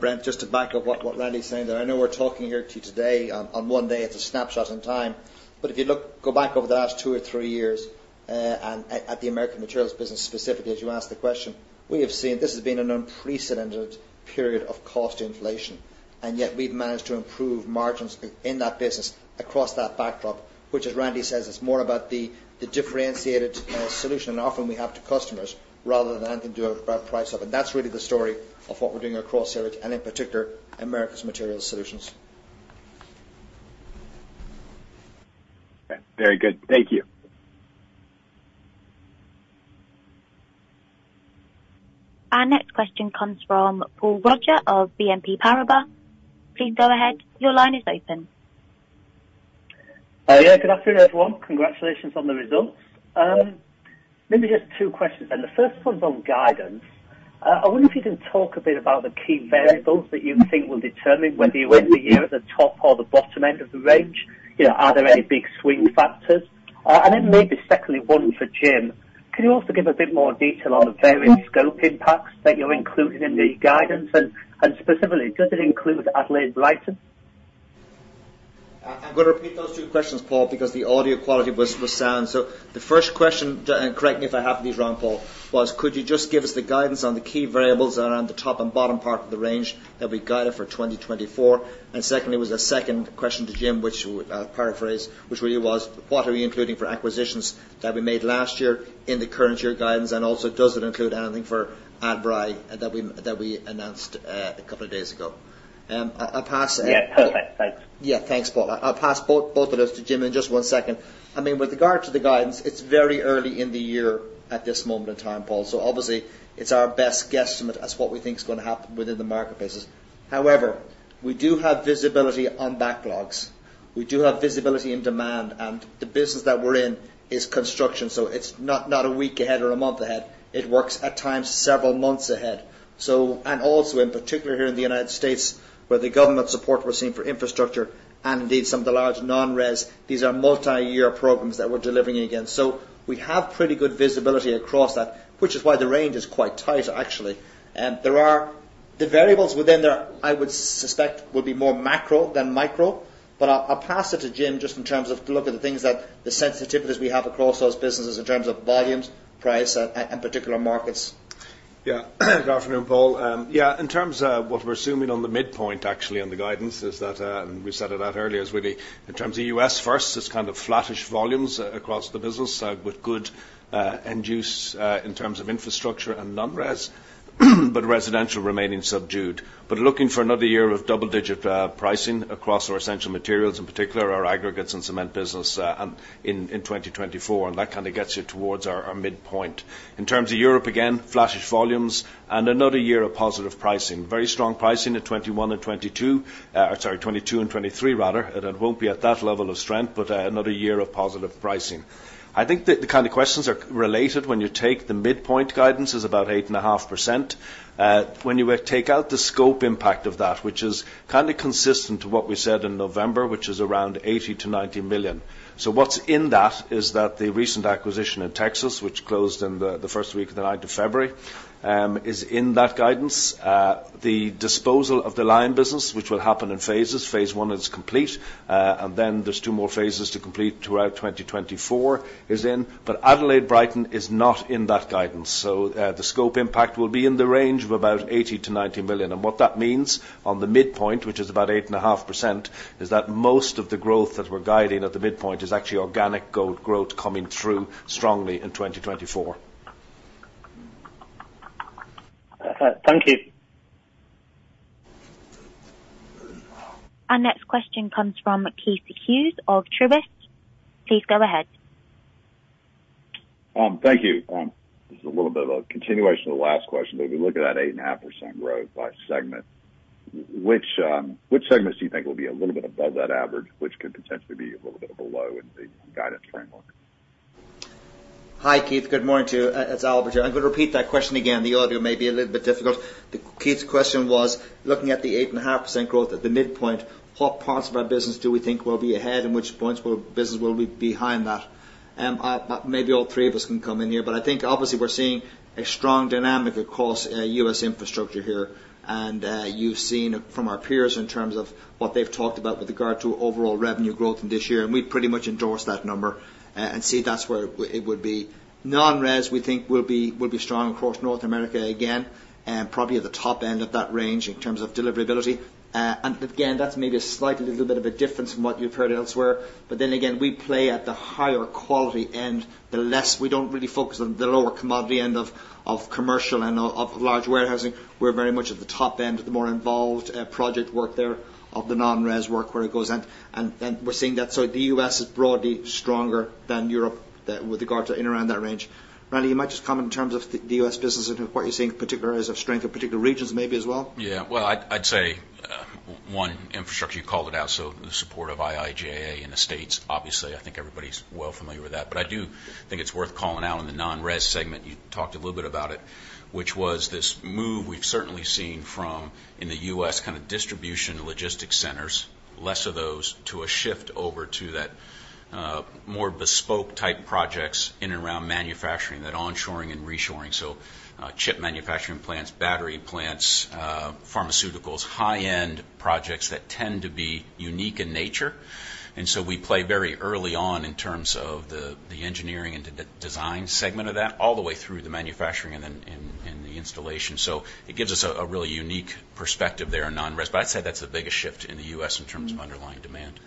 Speaker 1: Brent, just to back up what Randy's saying there. I know we're talking here to you today on one day. It's a snapshot in time. If you go back over the last two or three years, at the Americas Materials business specifically, as you asked the question, we have seen this has been an unprecedented period of cost inflation, and yet we've managed to improve margins in that business across that backdrop, which, as Randy says, it's more about the differentiated solution and offering we have to customers rather than anything to do about price up. That's really the story of what we're doing across here, and in particular, Americas Materials Solutions.
Speaker 8: Very good. Thank you.
Speaker 5: Our next question comes from Paul Roger of BNP Paribas. Please go ahead. Your line is open.
Speaker 9: Yeah. Good afternoon, everyone. Congratulations on the results. Maybe just two questions. The first one's on guidance. I wonder if you can talk a bit about the key variables that you think will determine whether you end the year at the top or the bottom end of the range. Are there any big swing factors? Maybe secondly, one for Jim. Can you also give a bit more detail on the varying scope impacts that you're including in the guidance? Specifically, does it include Adelaide Brighton?
Speaker 1: I'm going to repeat those two questions, Paul, because the audio quality was sound. The first question, and correct me if I have these wrong, Paul, was could you just give us the guidance on the key variables that are on the top and bottom part of the range that we guided for 2024? Secondly, was a second question to Jim, which I'll paraphrase, which really was what are we including for acquisitions that we made last year in the current year guidance, and also does it include anything for Adbri that we announced a couple of days ago?
Speaker 9: Yeah. Perfect. Thanks.
Speaker 1: Yeah. Thanks, Paul. I'll pass both of those to Jim in just one second. With regard to the guidance, it's very early in the year at this moment in time, Paul, obviously it's our best guesstimate as what we think is going to happen within the marketplaces. However, we do have visibility on backlogs. We do have visibility in demand, and the business that we're in is construction, it's not a week ahead or a month ahead. It works at times several months ahead. Also in particular here in the United States, where the government support we're seeing for infrastructure and indeed some of the large non-res, these are multi-year programs that we're delivering against. We have pretty good visibility across that, which is why the range is quite tight, actually. The variables within there, I would suspect, will be more macro than micro. I'll pass it to Jim just in terms of to look at the things that the sensitivities we have across those businesses in terms of volumes, price, and particular markets.
Speaker 4: Yeah. Good afternoon, Paul. In terms of what we're assuming on the midpoint actually on the guidance is that, and we said it out earlier, is really in terms of U.S. first, it's kind of flattish volumes across the business with good end use in terms of infrastructure and non-res. Residential remaining subdued. Looking for another year of double-digit pricing across our Essential Materials, in particular our aggregates and cement business in 2024. That kind of gets you towards our midpoint. In terms of Europe, again, flattish volumes and another year of positive pricing. Very strong pricing at 2021 and 2022. Sorry, 2022 and 2023 rather. It won't be at that level of strength, but another year of positive pricing. I think that the kind of questions are related when you take the midpoint guidance is about 8.5%. When you take out the scope impact of that, which is kind of consistent to what we said in November, which is around $80 million-$90 million. What's in that is that the recent acquisition in Texas, which closed in the first week of the 9th of February, is in that guidance. The disposal of the lime business, which will happen in phases. Phase 1 is complete, and then there's two more phases to complete throughout 2024 is in. Adelaide Brighton is not in that guidance. The scope impact will be in the range of about $80 million-$90 million. What that means on the midpoint, which is about 8.5%, is that most of the growth that we're guiding at the midpoint is actually organic growth coming through strongly in 2024.
Speaker 9: Thank you.
Speaker 5: Our next question comes from Keith Hughes of Truist. Please go ahead.
Speaker 10: Thank you. This is a little bit of a continuation of the last question. If you look at that 8.5% growth by segment, which segments do you think will be a little bit above that average, which could potentially be a little bit below in the guidance framework?
Speaker 1: Hi, Keith. Good morning to you. It's Albert here. I'm going to repeat that question again. The audio may be a little bit difficult. Keith's question was, looking at the 8.5% growth at the midpoint, what parts of our business do we think will be ahead and which points of our business will be behind that? Maybe all three of us can come in here, I think obviously we're seeing a strong dynamic across U.S. infrastructure here, you've seen from our peers in terms of what they've talked about with regard to overall revenue growth in this year, we pretty much endorse that number and see that's where it would be Non-res, we think will be strong across North America again, probably at the top end of that range in terms of deliverability. That's maybe a slight little bit of a difference from what you've heard elsewhere. Again, we play at the higher quality end, the less we don't really focus on the lower commodity end of commercial and of large warehousing. We're very much at the top end of the more involved project work there of the non-res work where it goes. We're seeing that. The U.S. is broadly stronger than Europe with regard to in around that range. Randy, you might just comment in terms of the U.S. business and what you're seeing in particular areas of strength or particular regions maybe as well.
Speaker 3: Well, I'd say one, infrastructure, you called it out, the support of IIJA in the U.S., obviously, I think everybody's well familiar with that. I do think it's worth calling out in the non-res segment, you talked a little bit about it, which was this move we've certainly seen from in the U.S. kind of distribution logistics centers, less of those, to a shift over to that more bespoke type projects in and around manufacturing, that onshoring and reshoring. Chip manufacturing plants, battery plants, pharmaceuticals, high-end projects that tend to be unique in nature. We play very early on in terms of the engineering and design segment of that, all the way through the manufacturing and the installation. It gives us a really unique perspective there in non-res. I'd say that's the biggest shift in the U.S. in terms of underlying demand.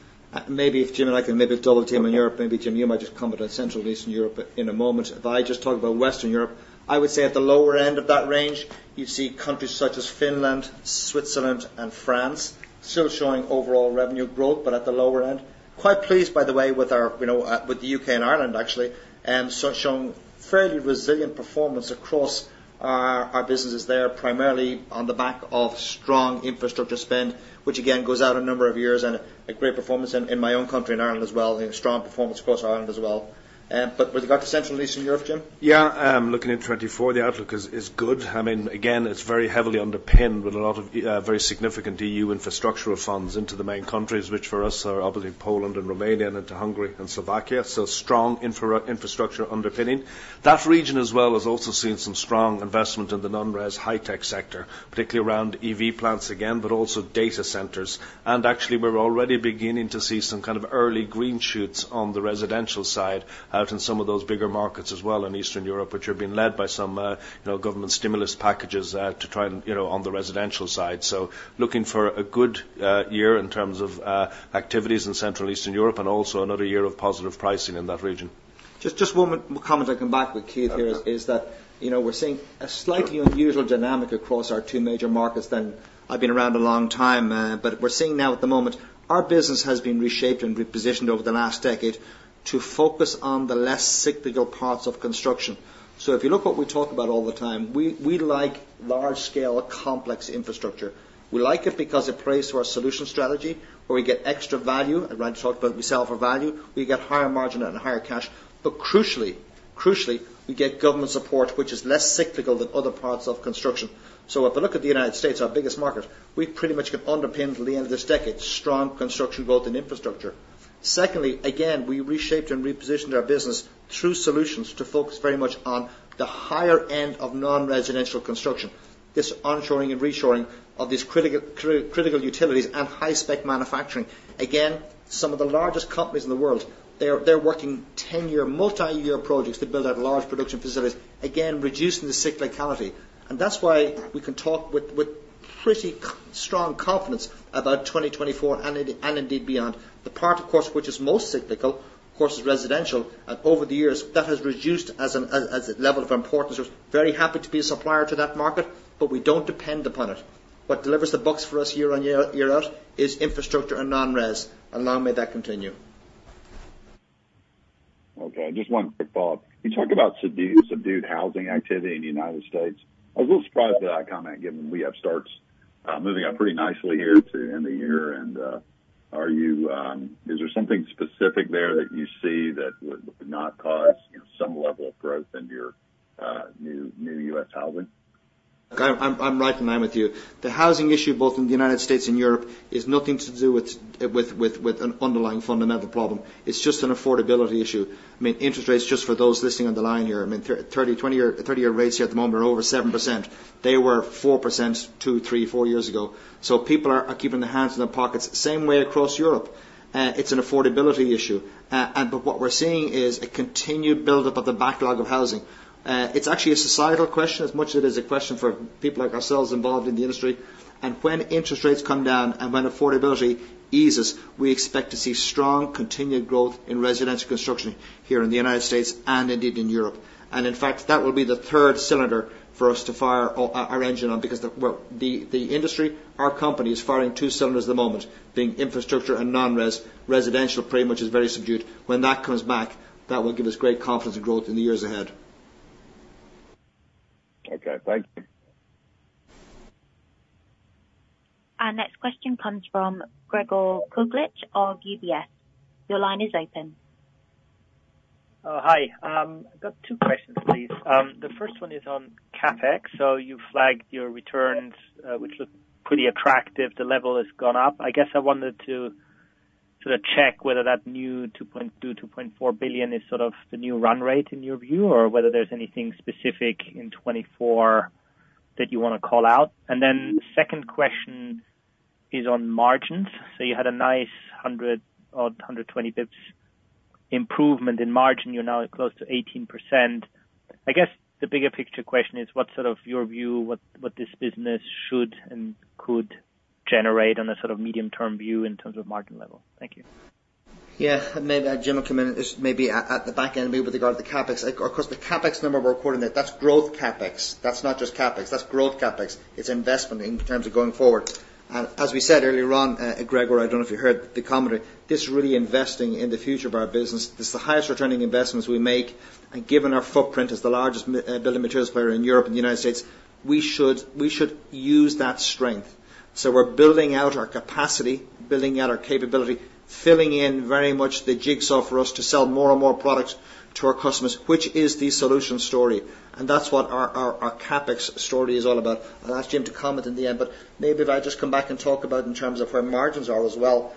Speaker 1: Maybe if Jim and I can maybe double team on Europe. Maybe Jim, you might just comment on Central Eastern Europe in a moment. If I just talk about Western Europe, I would say at the lower end of that range, you see countries such as Finland, Switzerland, and France still showing overall revenue growth, but at the lower end. Quite pleased, by the way, with the U.K. and Ireland actually, showing fairly resilient performance across our businesses there, primarily on the back of strong infrastructure spend, which again goes out a number of years and a great performance in my own country, in Ireland as well, strong performance across Ireland as well. With regard to Central Eastern Europe, Jim?
Speaker 4: Looking at 2024, the outlook is good. Again, it's very heavily underpinned with a lot of very significant EU infrastructural funds into the main countries, which for us are obviously Poland and Romania and into Hungary and Slovakia. Strong infrastructure underpinning. That region as well has also seen some strong investment in the non-res high-tech sector, particularly around EV plants again, but also data centers. We're already beginning to see some kind of early green shoots on the residential side out in some of those bigger markets as well in Eastern Europe, which are being led by some government stimulus packages to try and on the residential side. Looking for a good year in terms of activities in Central Eastern Europe and also another year of positive pricing in that region.
Speaker 1: Just one comment. I come back with Keith Hughes here, is that we're seeing a slightly unusual dynamic across our two major markets than I've been around a long time. We're seeing now at the moment, our business has been reshaped and repositioned over the last decade to focus on the less cyclical parts of construction. If you look what we talk about all the time, we like large scale, complex infrastructure. We like it because it plays to our solution strategy where we get extra value. I'd rather talk about we sell for value. We get higher margin and higher cash. Crucially, we get government support, which is less cyclical than other parts of construction. If I look at the U.S., our biggest market, we pretty much can underpin till the end of this decade, strong construction growth and infrastructure. Secondly, again, we reshaped and repositioned our business through solutions to focus very much on the higher end of non-residential construction. This onshoring and reshoring of these critical utilities and high spec manufacturing. Again, some of the largest companies in the world, they're working 10-year, multi-year projects to build out large production facilities, again, reducing the cyclicality. That's why we can talk with pretty strong confidence about 2024 and indeed beyond. The part, of course, which is most cyclical, of course, is residential. Over the years, that has reduced as a level of importance. We're very happy to be a supplier to that market, but we don't depend upon it. What delivers the bucks for us year in year out is infrastructure and non-res. Long may that continue.
Speaker 10: Okay. Just one quick thought. You talk about subdued housing activity in the U.S. I was a little surprised by that comment, given we have starts moving up pretty nicely here to end the year. Is there something specific there that you see that would not cause some level of growth into your new U.S. housing?
Speaker 1: I'm right in line with you. The housing issue, both in the U.S. and Europe, is nothing to do with an underlying fundamental problem. It's just an affordability issue. Interest rates, just for those listening on the line here, 30-year rates here at the moment are over 7%. They were 4%, two, three, four years ago. People are keeping their hands in their pockets. Same way across Europe. It's an affordability issue. What we're seeing is a continued buildup of the backlog of housing. It's actually a societal question as much as it is a question for people like ourselves involved in the industry. When interest rates come down and when affordability eases, we expect to see strong continued growth in residential construction here in the U.S. and indeed in Europe. In fact, that will be the third cylinder for us to fire our engine on because the industry, our company, is firing two cylinders at the moment, being infrastructure and non-res. Residential pretty much is very subdued. When that comes back, that will give us great confidence and growth in the years ahead.
Speaker 10: Okay. Thank you.
Speaker 5: Our next question comes from Gregor Kuglitsch of UBS. Your line is open.
Speaker 11: Hi. I've got two questions, please. The first one is on CapEx. You flagged your returns, which look pretty attractive. The level has gone up. I guess I wanted to sort of check whether that new $2.2 billion-$2.4 billion is sort of the new run rate in your view, or whether there's anything specific in 2024 That you want to call out. Second question is on margins. You had a nice 100-odd, 120 basis points improvement in margin. You're now at close to 18%. I guess the bigger picture question is what's sort of your view, what this business should and could generate on a sort of medium-term view in terms of margin level? Thank you.
Speaker 1: Yeah. Maybe Jim will come in at this, maybe at the back end maybe with regard to the CapEx. Of course, the CapEx number we're quoting there, that's growth CapEx. That's not just CapEx. That's growth CapEx. It's investment in terms of going forward. As we said earlier on, Gregor, I don't know if you heard the commentary, this is really investing in the future of our business. This is the highest returning investments we make. Given our footprint as the largest building materials player in Europe and the United States, we should use that strength. We're building out our capacity, building out our capability, filling in very much the jigsaw for us to sell more and more products to our customers, which is the solution story. That's what our CapEx story is all about. I'll ask Jim to comment in the end, but maybe if I just come back and talk about in terms of where margins are as well.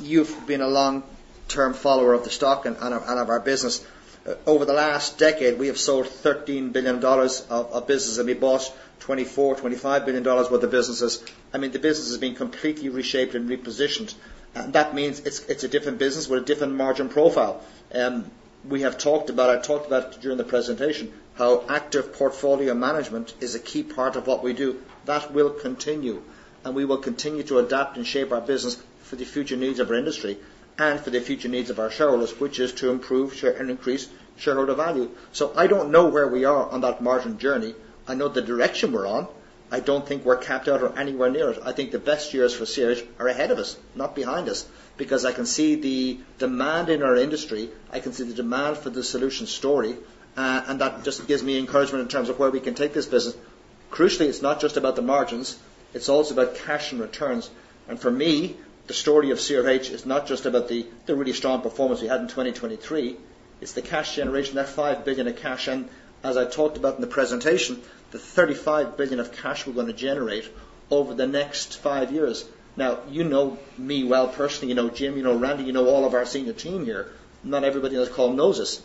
Speaker 1: You've been a long-term follower of the stock and of our business. Over the last decade, we have sold $13 billion of business, and we bought $24 billion-$25 billion worth of businesses. I mean, the business has been completely reshaped and repositioned. That means it's a different business with a different margin profile. We have talked about, I talked about during the presentation how active portfolio management is a key part of what we do. That will continue, and we will continue to adapt and shape our business for the future needs of our industry and for the future needs of our shareholders, which is to improve and increase shareholder value. I don't know where we are on that margin journey. I know the direction we're on. I don't think we're capped out or anywhere near it. I think the best years for CRH are ahead of us, not behind us, because I can see the demand in our industry, I can see the demand for the solution story, and that just gives me encouragement in terms of where we can take this business. Crucially, it's not just about the margins, it's also about cash and returns. For me, the story of CRH is not just about the really strong performance we had in 2023. It's the cash generation, that $5 billion of cash, and as I talked about in the presentation, the $35 billion of cash we're going to generate over the next five years. You know me well personally. You know Jim, you know Randy, you know all of our senior team here. Not everybody on this call knows us.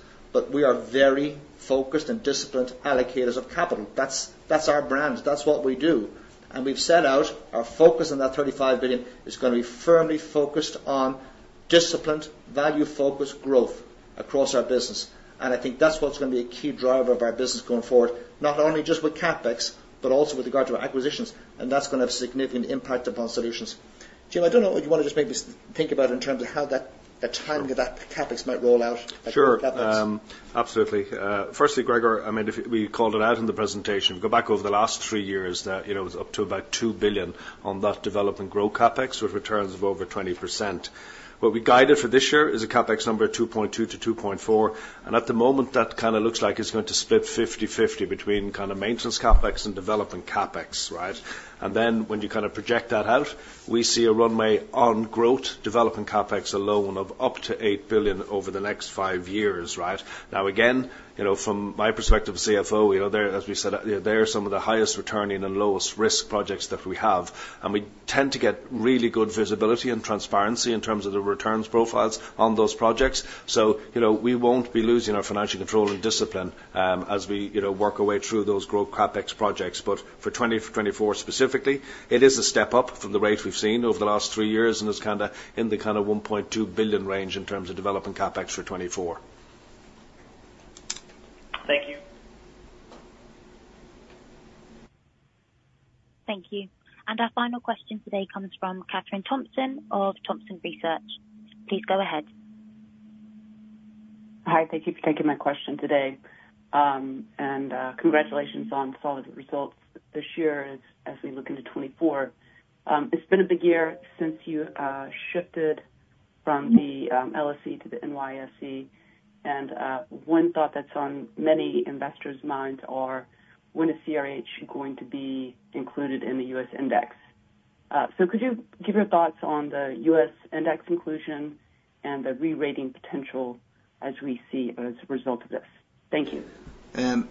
Speaker 1: We are very focused and disciplined allocators of capital. That's our brand. That's what we do. We've set out our focus on that $35 billion is going to be firmly focused on disciplined, value-focused growth across our business. I think that's what's going to be a key driver of our business going forward, not only just with CapEx, but also with regard to our acquisitions. That's going to have significant impact upon solutions. Jim, I don't know if you want to just maybe think about in terms of how the timing of that CapEx might roll out.
Speaker 4: Sure. Absolutely. Firstly, Gregor, we called it out in the presentation. Go back over the last three years, it was up to about $2 billion on that development growth CapEx, with returns of over 20%. What we guided for this year is a CapEx number of $2.2 billion-$2.4 billion, at the moment, that kind of looks like it's going to split 50/50 between kind of maintenance CapEx and development CapEx, right? When you kind of project that out, we see a runway on growth development CapEx alone of up to $8 billion over the next five years, right? Again, from my perspective as CFO, as we said, they are some of the highest returning and lowest risk projects that we have. We tend to get really good visibility and transparency in terms of the returns profiles on those projects. We won't be losing our financial control and discipline as we work our way through those growth CapEx projects. For 2024 specifically, it is a step up from the rate we've seen over the last three years, and it's in the kind of $1.2 billion range in terms of development CapEx for 2024.
Speaker 11: Thank you.
Speaker 5: Thank you. Our final question today comes from Kathryn Thompson of Thompson Research Group. Please go ahead.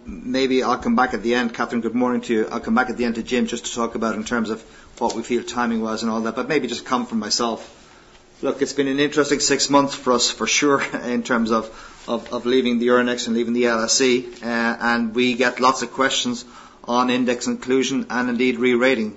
Speaker 12: Maybe I'll come back at the end. Kathryn, good morning to you. I'll come back at the end to Jim just to talk about in terms of what we feel timing was and all that, but maybe just coming from myself. Look, it's been an interesting six months for us, for sure, in terms of leaving the Euronext and leaving the LSE. We get lots of questions on index inclusion and indeed rerating.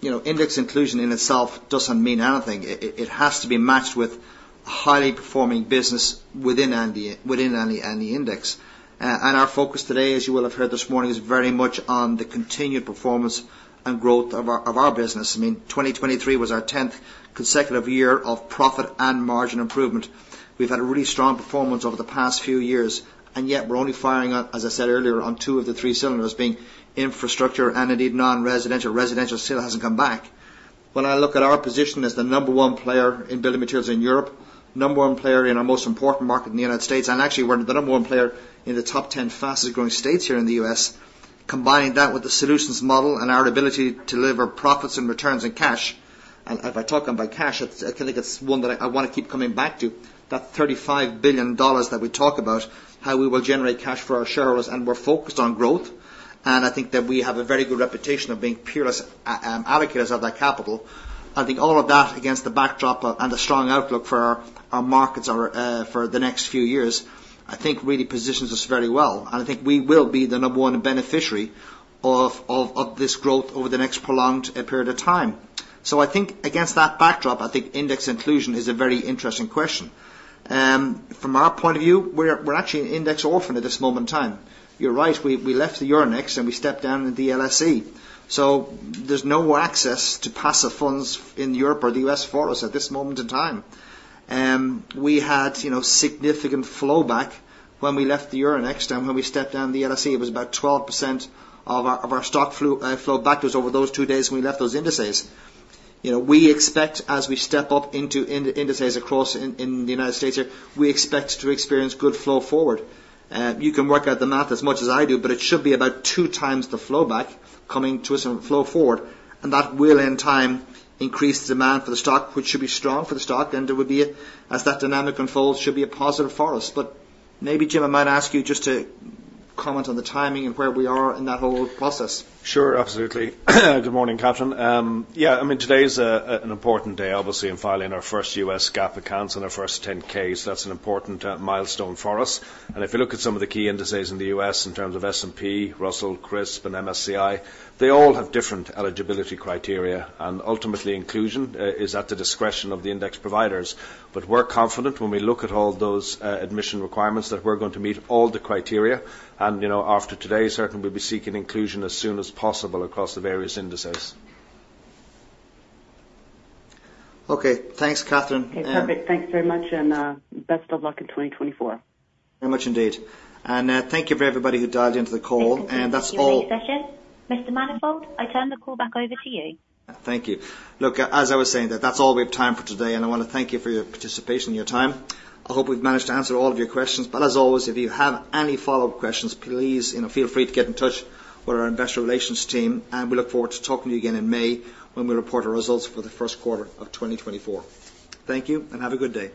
Speaker 12: Index inclusion in itself doesn't mean anything. It has to be matched with highly performing business within any index. Our focus today, as you will have heard this morning, is very much on the continued performance and growth of our business. I mean, 2023 was our 10th consecutive year of profit and margin improvement.
Speaker 1: We've had a really strong performance over the past few years, and yet we're only firing on, as I said earlier, on two of the three cylinders, being infrastructure and indeed non-residential. Residential still hasn't come back. When I look at our position as the number one player in building materials in Europe, number one player in our most important market in the United States, and actually we're the number one player in the top 10 fastest growing states here in the U.S., combining that with the solutions model and our ability to deliver profits and returns and cash. If I talk about cash, I think it's one that I want to keep coming back to. That $35 billion that we talk about, how we will generate cash for our shareholders. We're focused on growth. I think that we have a very good reputation of being peerless allocators of that capital. I think all of that against the backdrop and the strong outlook for our markets for the next few years, really positions us very well, and I think we will be the number one beneficiary of this growth over the next prolonged period of time. I think against that backdrop, I think index inclusion is a very interesting question. From our point of view, we're actually an index orphan at this moment in time. You're right, we left the Euronext and we stepped down into the LSE. There's no more access to passive funds in Europe or the U.S. for us at this moment in time. We had significant flow back when we left the Euronext, and when we stepped down the LSE, it was about 12% of our stock flow back was over those two days when we left those indices. We expect as we step up into indices across in the United States here, we expect to experience good flow forward. You can work out the math as much as I do, but it should be about two times the flow back coming to us in flow forward. That will in time increase the demand for the stock, which should be strong for the stock, and it would be, as that dynamic unfolds, should be a positive for us. Maybe, Jim, I might ask you just to comment on the timing and where we are in that whole process.
Speaker 4: Sure, absolutely. Good morning, Kathryn. Yeah, today is an important day, obviously, in filing our first US GAAP accounts and our first 10-Ks. That's an important milestone for us. If you look at some of the key indices in the U.S. in terms of S&P, Russell, CRSP, and MSCI, they all have different eligibility criteria. Ultimately, inclusion is at the discretion of the index providers. We're confident when we look at all those admission requirements that we're going to meet all the criteria. After today, certainly we'll be seeking inclusion as soon as possible across the various indices.
Speaker 1: Okay, thanks, Kathryn.
Speaker 12: Okay, perfect. Thanks very much, and best of luck in 2024.
Speaker 1: Very much indeed. Thank you for everybody who dialed into the call. That's all.
Speaker 5: That concludes today's session. Mr. Manifold, I turn the call back over to you.
Speaker 1: Thank you. Look, as I was saying, that's all we have time for today. I want to thank you for your participation and your time. I hope we've managed to answer all of your questions. As always, if you have any follow-up questions, please feel free to get in touch with our investor relations team. We look forward to talking to you again in May when we report our results for the first quarter of 2024. Thank you. Have a good day.